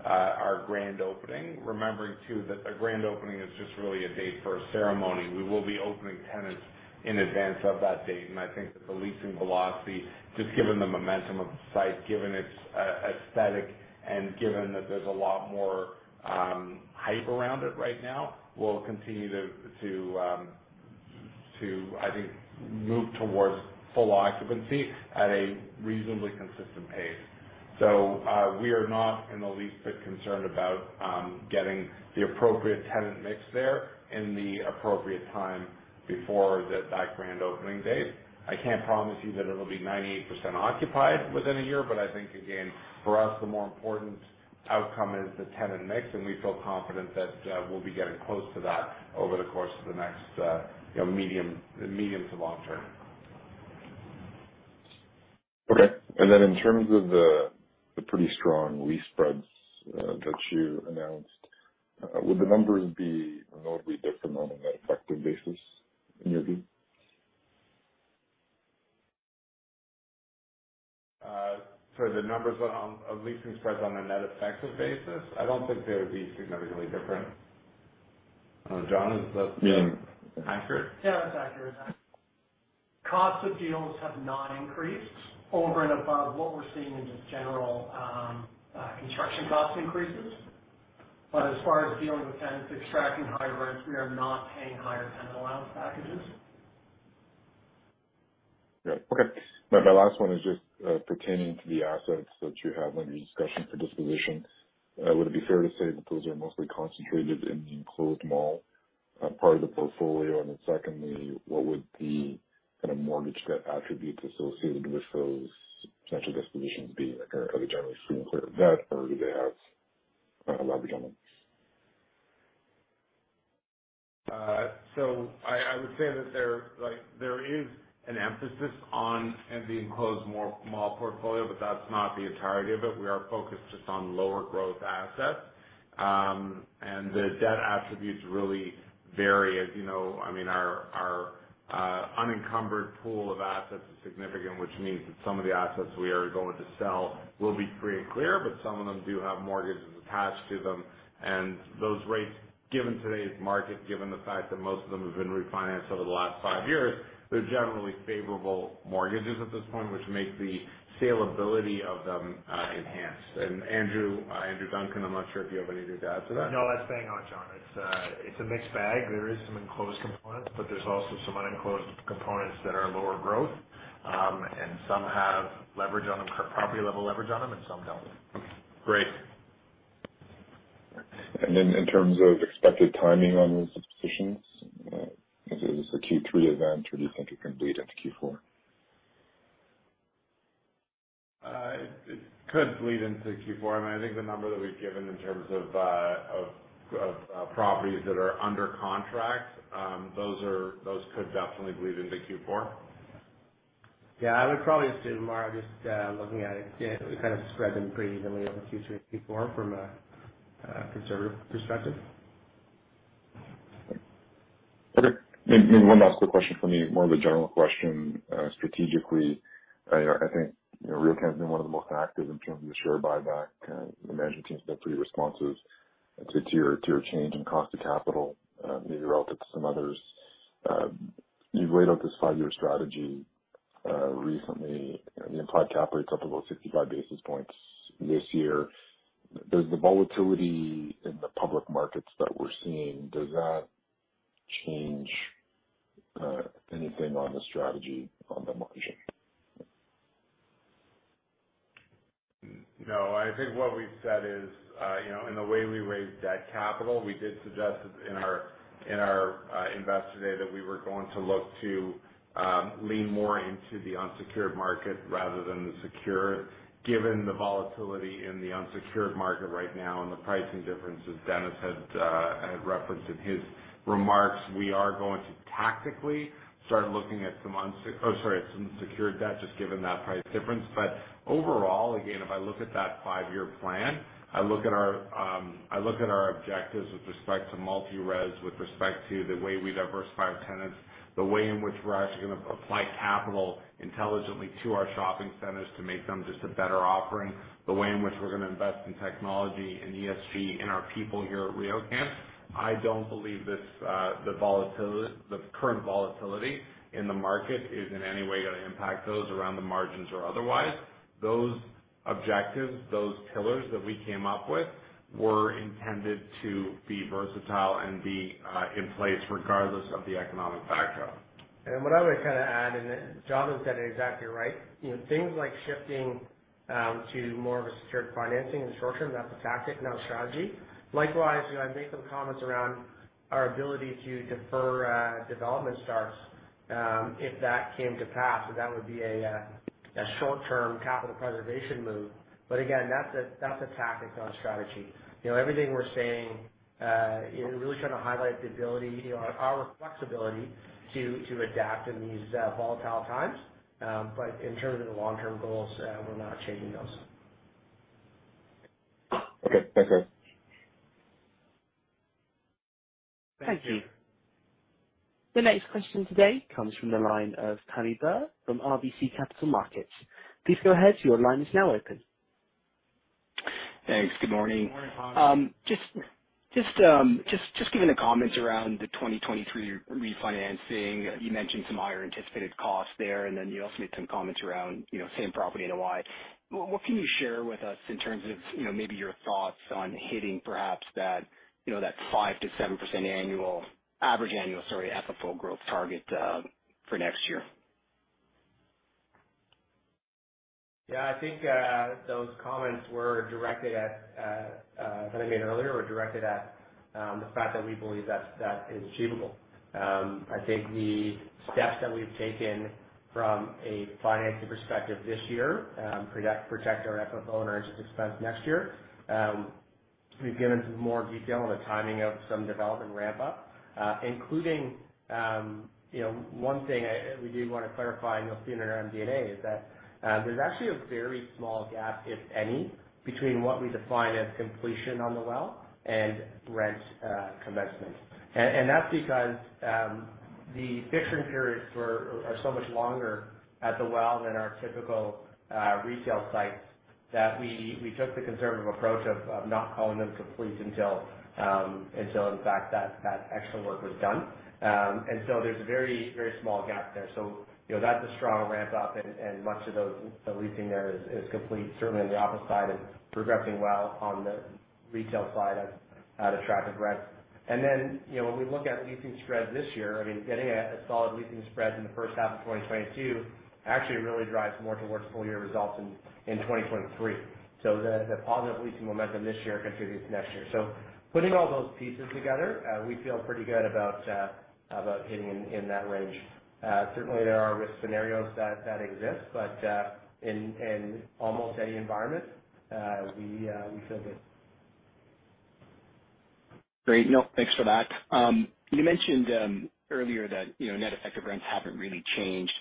Speaker 3: our grand opening. Remembering too, that the grand opening is just really a date for a ceremony. We will be opening tenants in advance of that date and I think that the leasing velocity, just given the momentum of the site, given its aesthetic and given that there's a lot more hype around it right now, we'll continue to I think move towards full occupancy at a reasonably consistent pace. We are not in the least bit concerned about getting the appropriate tenant mix there in the appropriate time before that grand opening date. I can't promise you that it'll be 98% occupied within a year but I think again, for us, the more important outcome is the tenant mix and we feel confident that we'll be getting close to that over the course of the next medium to long term.
Speaker 8: Okay. In terms of the pretty strong lease spreads that you announced, would the numbers be notably different on a net effective basis, in your view?
Speaker 3: The numbers on leasing spreads on a net effective basis, I don't think they would be significantly different. John, is that accurate?
Speaker 6: Yeah. That's accurate. Costs of deals have not increased over and above what we're seeing in just general construction cost increases. As far as dealing with tenants, extracting higher rents, we are not paying higher tenant allowance packages.
Speaker 8: Yeah. Okay. My last one is just pertaining to the assets that you have under discussion for disposition. Would it be fair to say that those are mostly concentrated in the enclosed mall part of the portfolio? Then secondly, what would the kind of mortgage debt attributes associated with those potential dispositions be? Are they generally free and clear of debt or do they have leverage on them?
Speaker 3: I would say that, like, there is an emphasis on the enclosed mall portfolio but that's not the entirety of it. We are focused just on lower growth assets. The debt attributes really vary. As you know, I mean, our unencumbered pool of assets is significant, which means that some of the assets we are going to sell will be free and clear but some of them do have mortgages attached to them. Those rates, given today's market, given the fact that most of them have been refinanced over the last five years, they're generally favorable mortgages at this point, which makes the saleability of them enhanced. Andrew Duncan, I'm not sure if you have anything to add to that.
Speaker 9: No, that's bang on, John. It's a mixed bag. There is some enclosed components but there's also some unenclosed components that are lower growth. Some have leverage on them, property level leverage on them and some don't.
Speaker 8: Great. In terms of expected timing on those dispositions, is this a Q3 event or do you think it can bleed into Q4?
Speaker 3: It could bleed into Q4. I mean, I think the number that we've given in terms of properties that are under contract, those could definitely bleed into Q4.
Speaker 4: Yeah. I would probably assume more just looking at it, yeah, we kind of spread them pretty evenly over Q3, Q4 from a conservative perspective.
Speaker 8: Okay. Maybe one last quick question from me, more of a general question. Strategically, I think, you know, RioCan's been one of the most active in terms of the share buyback. The management team's been pretty responsive to tier change in cost of capital, maybe relative to some others. You've laid out this five-year strategy recently. I mean, you implied cap rate of about 65 basis points this year. Does the volatility in the public markets that we're seeing, does that change anything on the strategy on the margin?
Speaker 3: No, I think what we've said is, you know, in the way we raised that capital, we did suggest that in our Investor Day that we were going to look to lean more into the unsecured market rather than the secured. Given the volatility in the unsecured market right now and the pricing differences Dennis had referenced in his remarks, we are going to tactically start looking at some secured debt, just given that price difference. But overall, again, if I look at that five-year plan, I look at our objectives with respect to multi-res, with respect to the way we diversify our tenants, the way in which we're actually gonna apply capital intelligently to our shopping centers to make them just a better offering. The way in which we're gonna invest in technology and ESG in our people here at RioCan. I don't believe the current volatility in the market is in any way gonna impact those around the margins or otherwise. Those objectives, those pillars that we came up with were intended to be versatile and be in place regardless of the economic backdrop.
Speaker 4: What I would kind of add, John has said it exactly right. You know, things like shifting to more of a secured financing in the short term, that's a tactic, not a strategy. Likewise, you know, I made some comments around our ability to defer development starts if that came to pass. That would be a short-term capital preservation move but again, that's a tactic, not a strategy. You know, everything we're saying really trying to highlight the ability, our flexibility to adapt in these volatile times. In terms of the long-term goals, we're not changing those.
Speaker 8: Okay. Thanks, guys.
Speaker 1: Thank you. The next question today comes from the line of Pammi Bir from RBC Capital Markets. Please go ahead. Your line is now open.
Speaker 10: Thanks. Good morning. Just given the comments around the 2023 refinancing, you mentioned some higher anticipated costs there and then you also made some comments around, you know, same property NOI. What can you share with us in terms of, you know, maybe your thoughts on hitting perhaps that, you know, that 5%-7% annual, average annual, sorry, FFO growth target for next year?
Speaker 4: Yeah. I think those comments that I made earlier were directed at the fact that we believe that is achievable. I think the steps that we've taken from a financing perspective this year protect our FFO and our interest expense next year. We've given some more detail on the timing of some development ramp up, including you know, one thing we do wanna clarify and you'll see in our MD&A is that there's actually a very small gap, if any, between what we define as completion on the Well and rent commencement. That's because the fixturing periods are so much longer at the Well than our typical retail sites that we took the conservative approach of not calling them complete until in fact that extra work was done. There's a very small gap there. You know, that's a strong ramp up and much of the leasing there is complete. Certainly on the office side and progressing well on the retail side of the terrific rents. When we look at leasing spreads this year, I mean, getting a solid leasing spread in the first half of 2022 actually really drives more towards full year results in 2023. The positive leasing momentum this year contributes next year. Putting all those pieces together, we feel pretty good about hitting in that range. Certainly there are risk scenarios that exist but in almost any environment, we feel good.
Speaker 10: Great. No, thanks for that. You mentioned earlier that, you know, net effective rents haven't really changed.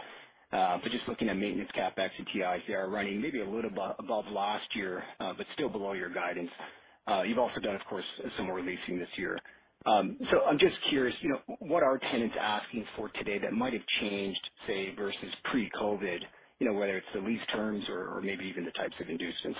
Speaker 10: But just looking at maintenance CapEx and TI, you are running maybe a little above last year but still below your guidance. You've also done, of course, some more leasing this year. I'm just curious, you know, what are tenants asking for today that might have changed, say, versus pre-COVID? You know, whether it's the lease terms or maybe even the types of inducements.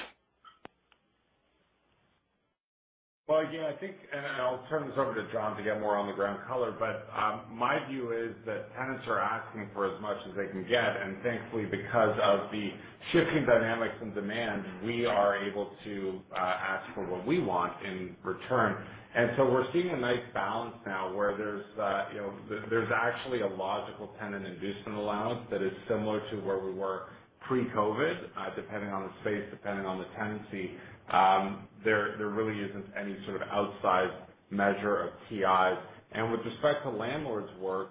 Speaker 3: Well, again, I think and I'll turn this over to John to get more on the ground color but my view is that tenants are asking for as much as they can get. Thankfully, because of the shifting dynamics in demand, we are able to ask for what we want in return. We're seeing a nice balance now where there's you know there's actually a logical tenant inducement allowance that is similar to where we were pre-COVID. Depending on the space, depending on the tenancy, there really isn't any sort of outsized measure of TIs. With respect to landlords' work,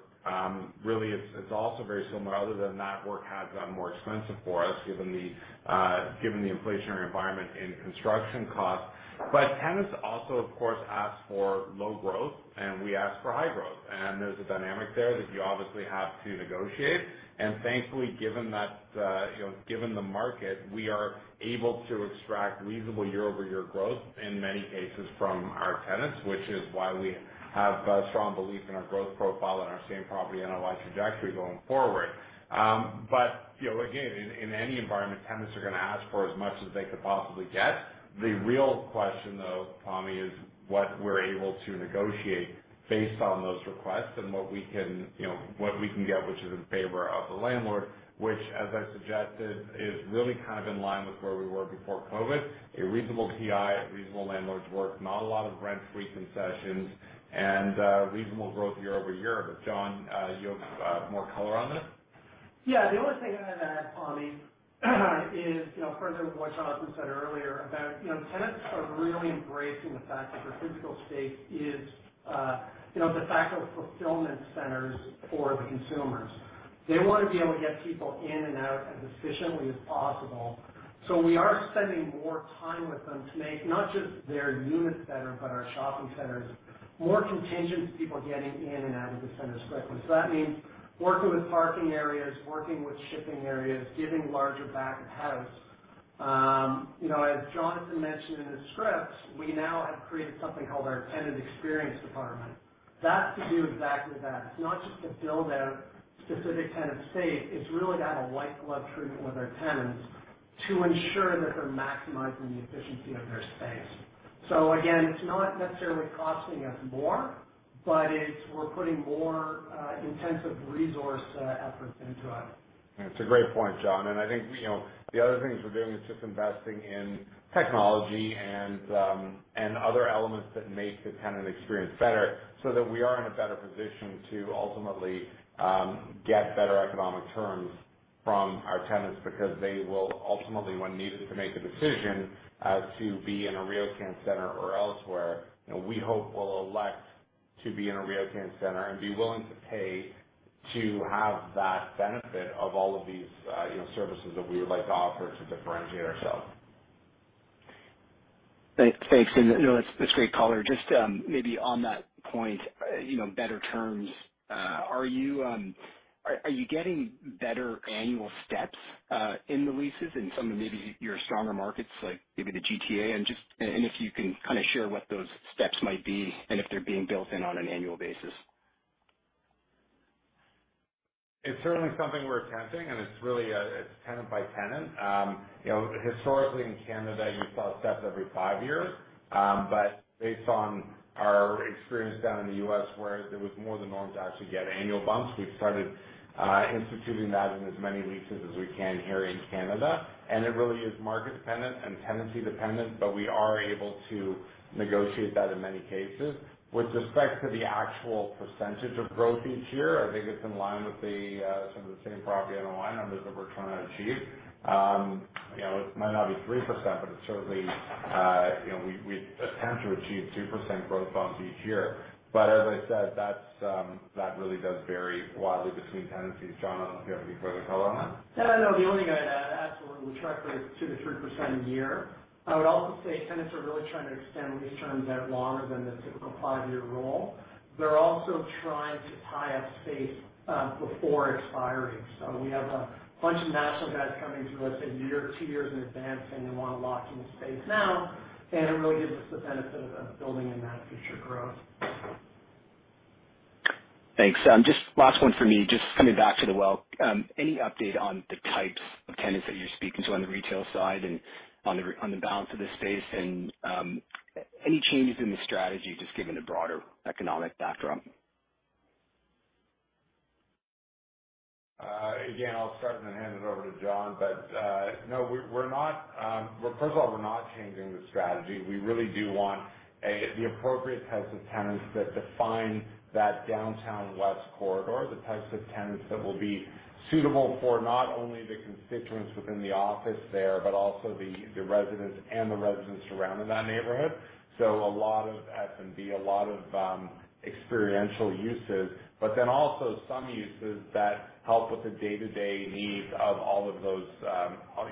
Speaker 3: really it's also very similar other than that work has gotten more expensive for us given the inflationary environment in construction costs. Tenants also, of course, ask for low growth and we ask for high growth. There's a dynamic there that you obviously have to negotiate. Thankfully, given that, you know, given the market, we are able to extract reasonable year-over-year growth in many cases from our tenants, which is why we have a strong belief in our growth profile and our same property NOI trajectory going forward. You know, again, in any environment, tenants are gonna ask for as much as they could possibly get. The real question though, Pammi, is what we're able to negotiate based on those requests and what we can, you know, what we can get, which is in favor of the landlord, which, as I suggested, is really kind of in line with where we were before COVID. A reasonable TI, reasonable landlords work, not a lot of rent-free concessions and reasonable growth year over year. John, you have more color on this.
Speaker 6: Yeah. The only thing I'd add, Pammi is, you know, further with what Jonathan said earlier about, you know, tenants are really embracing the fact that their physical stores are, you know, de facto fulfillment centers for the consumers. They wanna be able to get people in and out as efficiently as possible. We are spending more time with them to make not just their units better but our shopping centers more conducive to people getting in and out of the centers quickly. That means working with parking areas, working with shipping areas, giving larger back of house. You know, as Jonathan mentioned in his script, we now have created something called our tenant experience department. That's to do exactly that. It's not just to build out specific tenant space, it's really to have a white glove treatment with our tenants to ensure that they're maximizing the efficiency of their space. Again, it's not necessarily costing us more but we're putting more intensive resource efforts into it.
Speaker 3: That's a great point, John. I think, you know, the other things we're doing is just investing in technology and other elements that make the tenant experience better so that we are in a better position to ultimately get better economic terms from our tenants. Because they will ultimately, when needed to make a decision, to be in a RioCan center or elsewhere, you know, we hope will elect to be in a RioCan center and be willing to pay to have that benefit of all of these, you know, services that we would like to offer to differentiate ourselves.
Speaker 10: Thanks. No, that's great color. Just maybe on that point, you know, better terms, are you getting better annual steps in the leases in some of maybe your stronger markets, like maybe the GTA? If you can kind of share what those steps might be and if they're being built in on an annual basis.
Speaker 3: It's certainly something we're attempting and it's really it's tenant by tenant. You know, historically in Canada, you saw steps every five years. Based on our experience down in the U.S. where it was more the norm to actually get annual bumps, we've started instituting that in as many leases as we can here in Canada. It really is market dependent and tenancy dependent but we are able to negotiate that in many cases. With respect to the actual percentage of growth each year, I think it's in line with the same property NOI numbers that we're trying to achieve. You know, it might not be 3% but it's certainly, you know, we attempt to achieve 2% growth bumps each year. As I said, that really does vary widely between tenancies. John, I don't know if you have any further color on that.
Speaker 6: Yeah, no. The only thing I'd add, absolutely. Tracked rate is 2%-3% a year. I would also say tenants are really trying to extend lease terms out longer than the typical five-year rule. They're also trying to tie up space before expiry. We have a bunch of national guys coming to us a year, 2 years in advance, saying they wanna lock in the space now and it really gives us the benefit of building in that future growth.
Speaker 10: Thanks. Just last one from me. Just coming back to the Well. Any update on the types of tenants that you're speaking to on the retail side and on the balance of this space? Any changes in the strategy just given the broader economic backdrop?
Speaker 3: Again, I'll start and then hand it over to John. No, we're not, well, first of all, we're not changing the strategy. We really do want the appropriate types of tenants that define that downtown west corridor. The types of tenants that will be suitable for not only the constituents within the office there but also the residents surrounding that neighborhood. A lot of F&B, a lot of experiential uses but then also some uses that help with the day-to-day needs of all of those,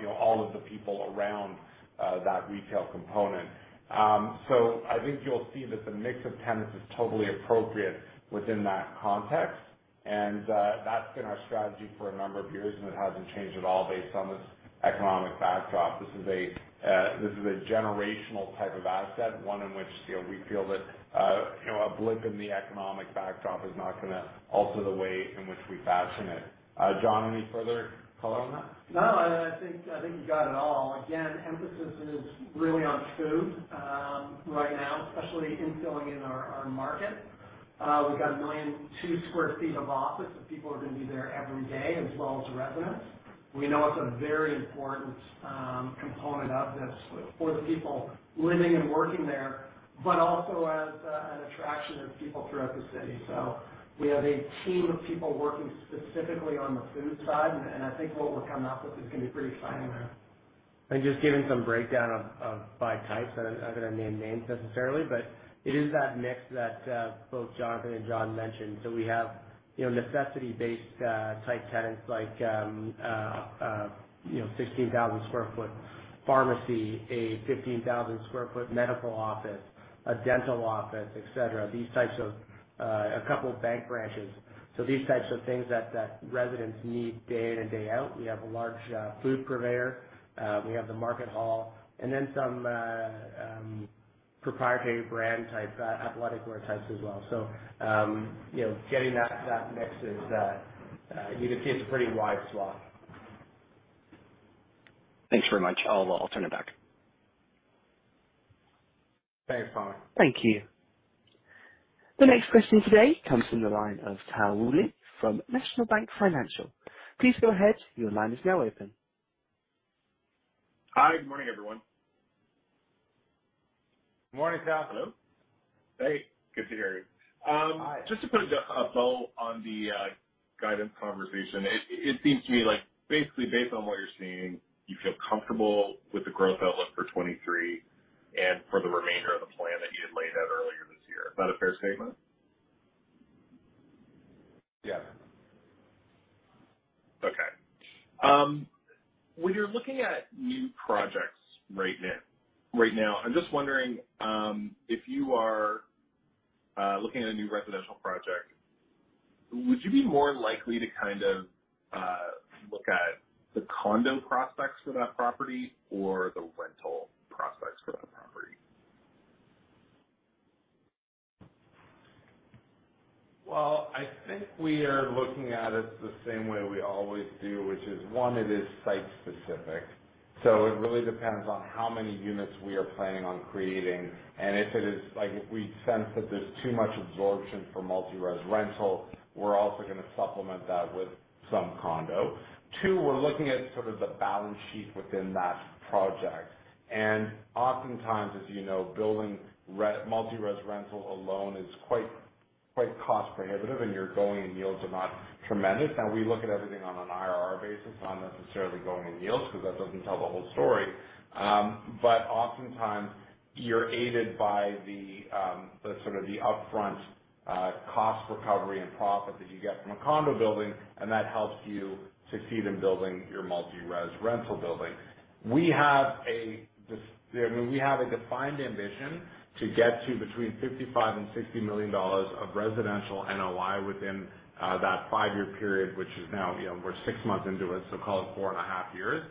Speaker 3: you know, all of the people around that retail component. I think you'll see that the mix of tenants is totally appropriate within that context. That's been our strategy for a number of years and it hasn't changed at all based on this economic backdrop. This is a generational type of asset, one in which, you know, we feel that, you know, a blip in the economic backdrop is not gonna alter the way in which we fashion it. John, any further color on that?
Speaker 6: No, I think you got it all. Again, emphasis is really on food, right now, especially infilling in our market. We've got 1.2 million sq ft of office that people are gonna be there every day, as well as residents. We know it's a very important component of this for the people living and working there but also as an attraction of people throughout the city. We have a team of people working specifically on the food side and I think what we're coming up with is gonna be pretty exciting there.
Speaker 3: Just giving some breakdown by types. I'm not gonna name names necessarily but it is that mix that both Jonathan and John mentioned. We have, you know, necessity-based type tenants like 16,000 sq ft, a 15,000 sq ft medical office, a dental office, etc. These types of a couple bank branches. These types of things that residents need day in and day out. We have a large food purveyor. We have the market hall. Then some proprietary brand type athletic wear types as well. Getting that mix, you can see it's a pretty wide swath.
Speaker 10: Thanks very much. I'll turn it back.
Speaker 3: Thanks, Pam.
Speaker 1: Thank you. The next question today comes from the line of Tal Woolley from National Bank Financial. Please go ahead. Your line is now open.
Speaker 11: Hi. Good morning, everyone.
Speaker 3: Morning, Tal.
Speaker 11: Hello. Hey, good to hear you. Just to put a bow on the guidance conversation, it seems to me like basically based on what you're seeing,
Speaker 3: But oftentimes you're aided by the sort of upfront cost recovery and profit that you get from a condo building and that helps you succeed in building your multi-res rental building. We have a defined ambition to get to between 55 million and 60 million dollars of residential NOI within that five-year period, which is now, you know, we're six months into it, so call it 4.5 years.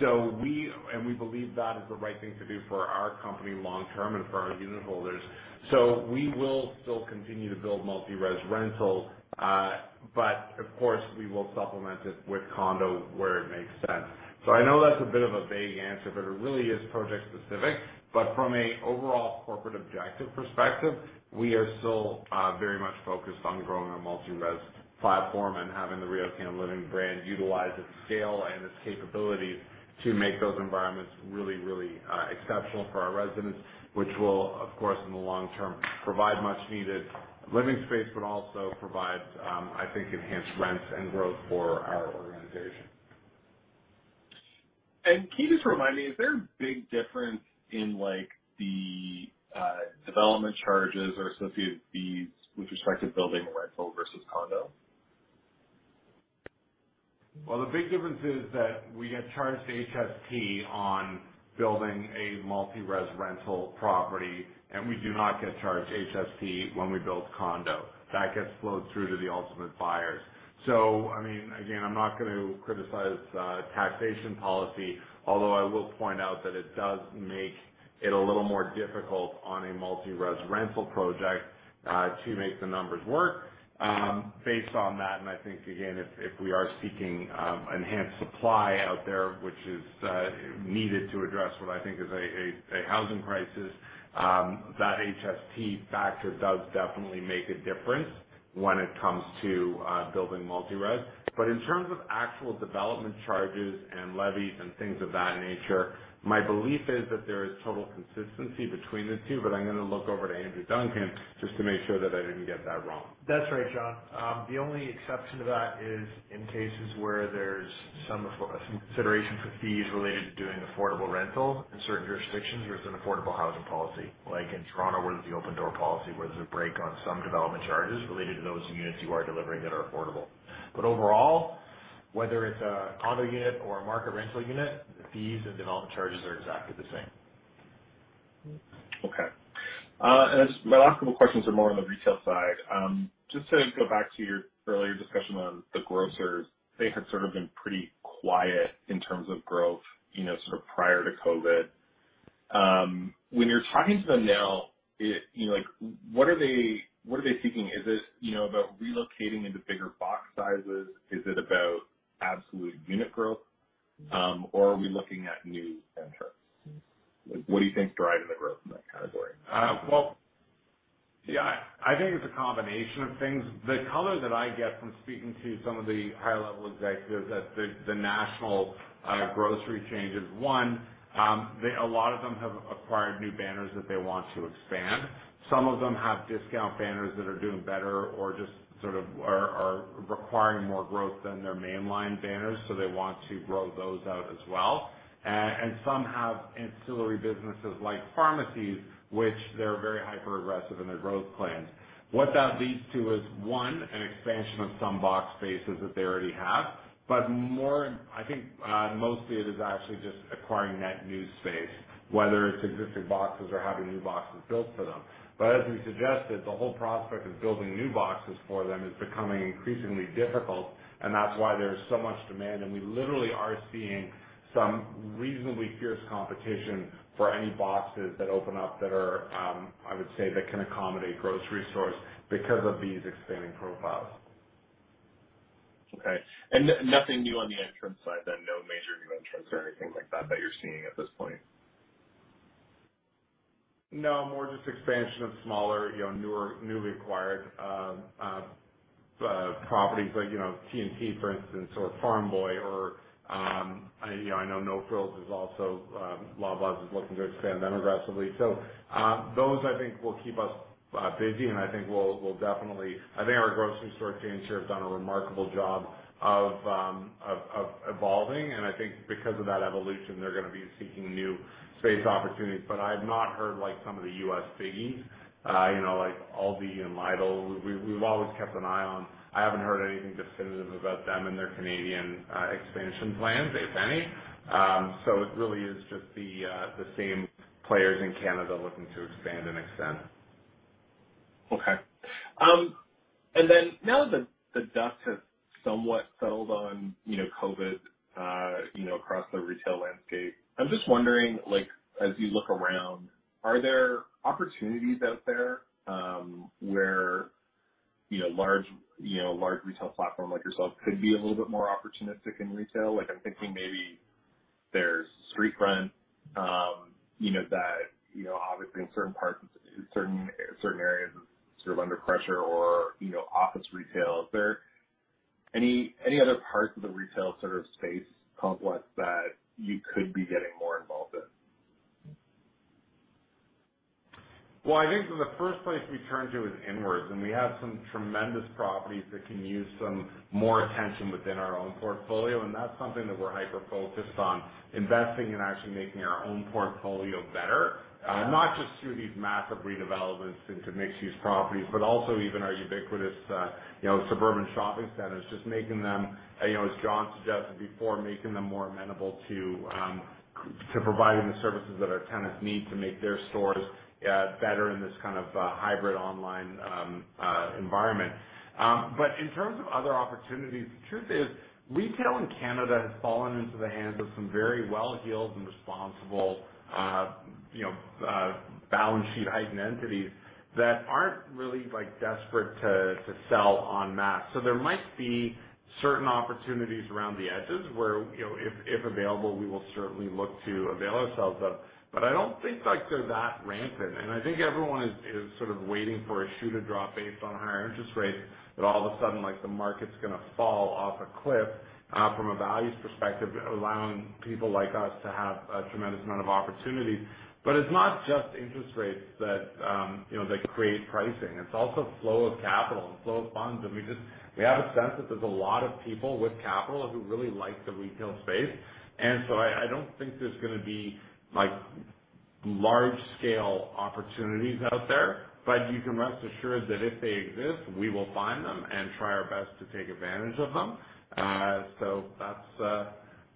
Speaker 3: We believe that is the right thing to do for our company long term and for our unit holders. We will still continue to build multi-res rentals but of course, we will supplement it with condo where it makes sense. I know that's a bit of a vague answer but it really is project specific. From a overall corporate objective perspective, we are still very much focused on growing our multi-res platform and having the RioCan Living brand utilize its scale and its capabilities to make those environments really exceptional for our residents, which will of course, in the long term, provide much needed living space but also provide, I think, enhanced rents and growth for our organization.
Speaker 11: Can you just remind me, is there a big difference in, like the development charges or associated fees with respect to building a rental versus condo?
Speaker 3: Well, the big difference is that we get charged HST on building a multi-res rental property and we do not get charged HST when we build condo. That gets flowed through to the ultimate buyers. I mean, again, I'm not going to criticize taxation policy, although I will point out that it does make it a little more difficult on a multi-res rental project to make the numbers work based on that. I think again, if we are seeking enhanced supply out there, which is needed to address what I think is a housing crisis, that HST factor does definitely make a difference when it comes to building multi-res. In terms of actual development charges and levies and things of that nature, my belief is that there is total consistency between the two but I'm gonna look over to Andrew Duncan just to make sure that I didn't get that wrong.
Speaker 9: That's right, Jon. The only exception to that is in cases where there's some consideration for fees related to doing affordable rental. In certain jurisdictions, there's an affordable housing policy, like in Toronto, where there's the Open Door policy, where there's a break on some development charges related to those units you are delivering that are affordable. Overall, whether it's a condo unit or a market rental unit, the fees and development charges are exactly the same.
Speaker 11: Okay. My last couple questions are more on the retail side. Just to go back to your earlier discussion on the grocers, they had sort of been pretty quiet in terms of growth, you know, sort of prior to COVID. When you're talking to them now, you know, like, what are they thinking? Is this, you know, about relocating into bigger box sizes? Is it about absolute unit growth or are we looking at new entrants? What do you think is driving the growth in that category?
Speaker 3: Well, yeah, I think it's a combination of things. The color that I get from speaking to some of the higher level executives at the national grocery chains is, one, a lot of them have acquired new banners that they want to expand. Some of them have discount banners that are doing better or just sort of are requiring more growth than their mainline banners, so they want to grow those out as well. Some have ancillary businesses like pharmacies, which they're very hyper aggressive in their growth plans. What that leads to is, one, an expansion of some box spaces that they already have. More, I think, most of it is actually just acquiring net new space, whether it's existing boxes or having new boxes built for them. As we suggested, the whole prospect of building new boxes for them is becoming increasingly difficult and that's why there's so much demand. We literally are seeing some reasonably fierce competition for any boxes that open up that are, I would say, that can accommodate grocery stores because of these expanding profiles.
Speaker 11: Okay. Nothing new on the entrants side then, no major new entrants or anything like that you're seeing at this point?
Speaker 3: No, more just expansion of smaller, you know, newer, newly acquired properties like, you know, T&T, for instance or Farm Boy or, you know, I know No Frills is also, Loblaws is looking to expand them aggressively. Those, I think, will keep us busy and I think we'll definitely I think our grocery store chains here have done a remarkable job of evolving and I think because of that evolution, they're gonna be seeking new space opportunities. But I have not heard, like, some of the U.S. biggies, you know, like Aldi and Lidl, we've always kept an eye on. I haven't heard anything definitive about them and their Canadian expansion plans, if any. It really is just the same players in Canada looking to expand and extend.
Speaker 11: Okay. Now that the dust has somewhat settled on, you know, COVID, you know, across the retail landscape, I'm just wondering, like, as you look around, are there opportunities out there, where, you know, large, you know, large retail platform like yourself could be a little bit more opportunistic in retail? Like, I'm thinking maybe there's street front, you know, you know, obviously in certain parts in certain areas is sort of under pressure or, you know, office retail. Is there any other parts of the retail sort of space complex that you could be getting more involved in?
Speaker 3: Well, I think the first place we turn to is inwards and we have some tremendous properties that can use some more attention within our own portfolio and that's something that we're hyper-focused on, investing and actually making our own portfolio better. Not just through these massive redevelopments into mixed-use properties but also even our ubiquitous, you know, suburban shopping centers. Just making them, you know, as John suggested before, making them more amenable to providing the services that our tenants need to make their stores, better in this kind of, hybrid online, environment. In terms of other opportunities, the truth is, retail in Canada has fallen into the hands of some very well-heeled and responsible, you know, balance sheet-heightened entities that aren't really, like, desperate to sell on mass. There might be certain opportunities around the edges where, you know, if available, we will certainly look to avail ourselves of but I don't think, like, they're that rampant. I think everyone is sort of waiting for a shoe to drop based on higher interest rates, that all of a sudden, like, the market's gonna fall off a cliff from a values perspective, allowing people like us to have a tremendous amount of opportunity. It's not just interest rates that, you know, that create pricing. It's also flow of capital and flow of funds. We just have a sense that there's a lot of people with capital who really like the retail space. I don't think there's gonna be, like, large scale opportunities out there but you can rest assured that if they exist, we will find them and try our best to take advantage of them.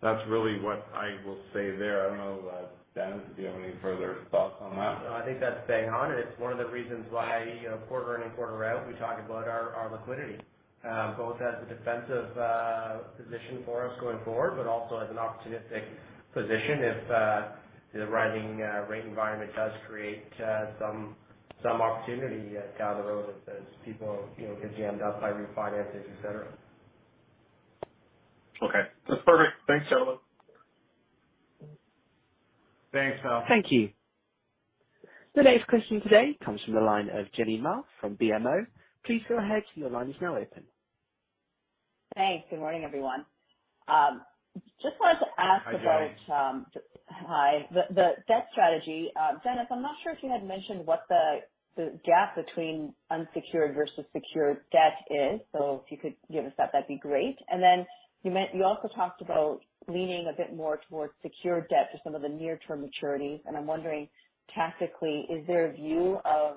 Speaker 3: That's really what I will say there. I don't know, Dennis, if you have any further thoughts on that.
Speaker 4: No, I think that's bang on and it's one of the reasons why, you know, quarter in and quarter out, we talk about our liquidity, both as a defensive position for us going forward but also as an opportunistic position if the rising rate environment does create some opportunity down the road as those people, you know, get jammed up by refinances, et cetera.
Speaker 11: Okay. That's perfect. Thanks, gentlemen.
Speaker 3: Thanks, Tal.
Speaker 1: Thank you. The next question today comes from the line of Jenny Ma from BMO. Please go ahead. Your line is now open.
Speaker 12: Thanks. Good morning, everyone. Just wanted to ask about.
Speaker 3: Hi, Jenny.
Speaker 13: Hi. The debt strategy. Dennis, I'm not sure if you had mentioned what the gap between unsecured versus secured debt is. If you could give us that'd be great. You also talked about leaning a bit more towards secured debt to some of the near-term maturities. I'm wondering tactically, is there a view of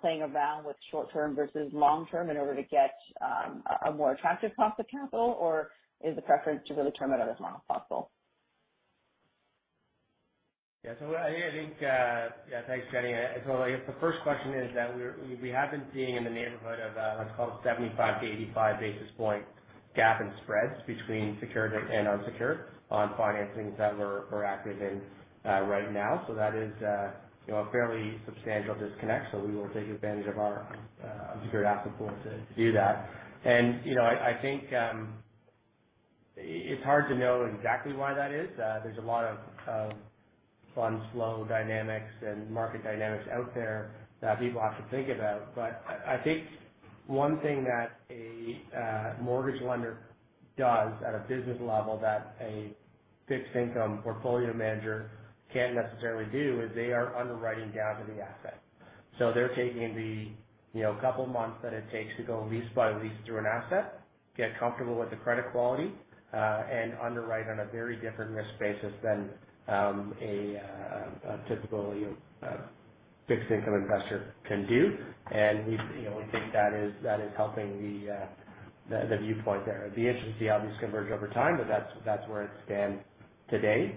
Speaker 13: playing around with short term versus long term in order to get a more attractive cost of capital? Is the preference to really term it out as long as possible?
Speaker 4: I think. Thanks, Jenny. I guess the first question is that we have been seeing in the neighborhood of, let's call it 75-85 basis point gap in spreads between secured and unsecured on financings that we're active in right now. That is you know, a fairly substantial disconnect, so we will take advantage of our secured asset pool to do that. You know, I think it's hard to know exactly why that is. There's a lot of funds flow dynamics and market dynamics out there that people have to think about. I think one thing that a mortgage lender does at a business level that a fixed income portfolio manager can't necessarily do is they are underwriting down to the asset. They're taking the, you know, couple months that it takes to go lease by lease through an asset, get comfortable with the credit quality and underwrite on a very different risk basis than a typical, you know, fixed income investor can do. We, you know, we think that is, that is helping the viewpoint there. It'll be interesting to see how these converge over time but that's where it stands today.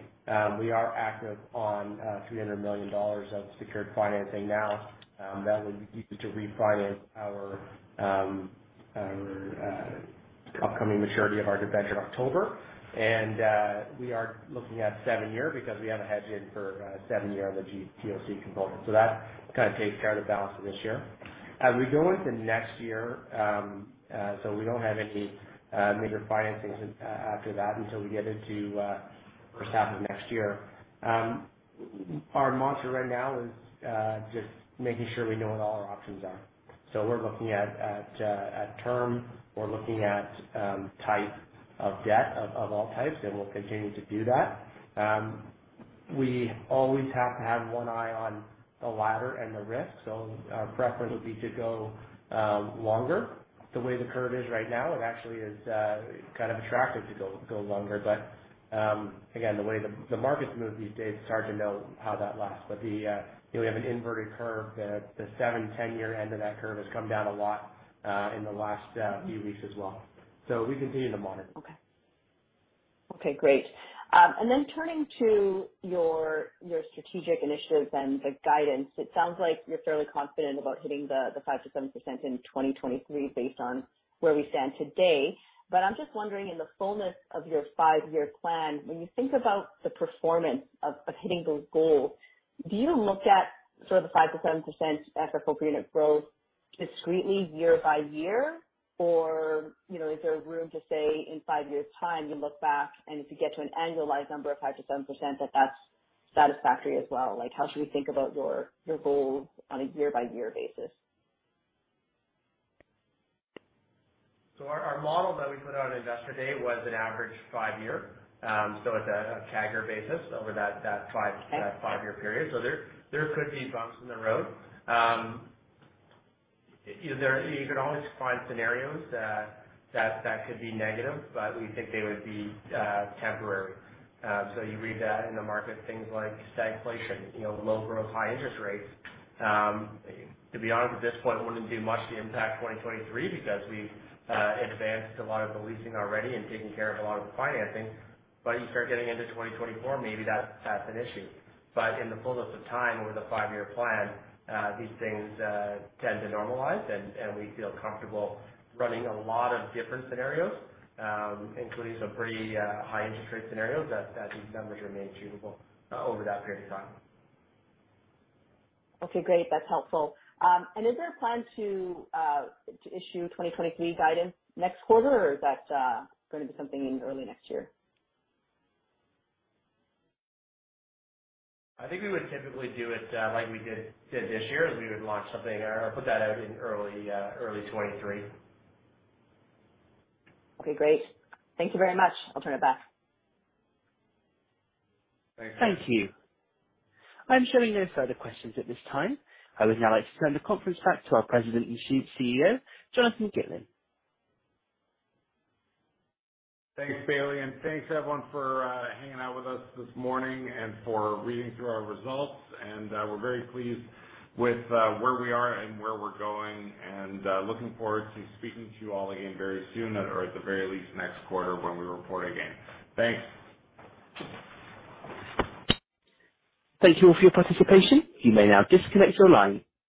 Speaker 4: We are active on 300 million dollars of secured financing now, that will be used to refinance our upcoming maturity of our debenture October. We are looking at seven-year because we have a hedge in for seven-year on the GoC component. That kind of takes care of the balance of this year. As we go into next year, we don't have any major financings after that until we get into first half of next year. Our mantra right now is just making sure we know what all our options are. We're looking at term, we're looking at type of debt of all types and we'll continue to do that. We always have to have one eye on the ladder and the risk. Our preference would be to go longer. The way the curve is right now, it actually is kind of attractive to go longer. Again, the way the markets move these days, it's hard to know how that lasts. You know, we have an inverted curve. The seven-10 year end of that curve has come down a lot in the last few weeks as well. We continue to monitor.
Speaker 12: Okay. Okay, great. Turning to your strategic initiatives and the guidance, it sounds like you're fairly confident about hitting the 5%-7% in 2023 based on where we stand today. I'm just wondering, in the fullness of your five-year plan, when you think about the performance of hitting those goals, do you look at sort of the 5%-7% FFO per unit growth discreetly year by year? Or, you know, is there room to say in 5 years' time, you look back and if you get to an annualized number of 5%-7% that's satisfactory as well? Like, how should we think about your goals on a year-by-year basis?
Speaker 4: Our model that we put out on Investor Day was an average five year. It's a CAGR basis over that five-year period. There could be bumps in the road. You can always find scenarios that could be negative but we think they would be temporary. You read that in the market, things like stagflation, you know, low growth, high interest rates. To be honest, at this point, it wouldn't do much to impact 2023 because we've advanced a lot of the leasing already and taken care of a lot of the financing. You start getting into 2024, maybe that's an issue. In the fullness of time, over the five-year plan, these things tend to normalize and we feel comfortable running a lot of different scenarios, including some pretty high interest rate scenarios that these numbers remain achievable, over that period of time.
Speaker 12: Okay, great. That's helpful. Is there a plan to issue 2023 guidance next quarter or is that gonna be something in early next year?
Speaker 4: I think we would typically do it like we did this year. We would launch something or put that out in early 2023.
Speaker 12: Okay, great. Thank you very much. I'll turn it back.
Speaker 4: Thanks.
Speaker 1: Thank you. I'm showing no further questions at this time. I would now like to turn the conference back to our President and CEO, Jonathan Gitlin.
Speaker 3: Thanks, Bailey. Thanks, everyone, for hanging out with us this morning and for reading through our results. We're very pleased with where we are and where we're going. Looking forward to speaking to you all again very soon or at the very least next quarter when we report again. Thanks.
Speaker 1: Thank you all for your participation. You may now disconnect your line.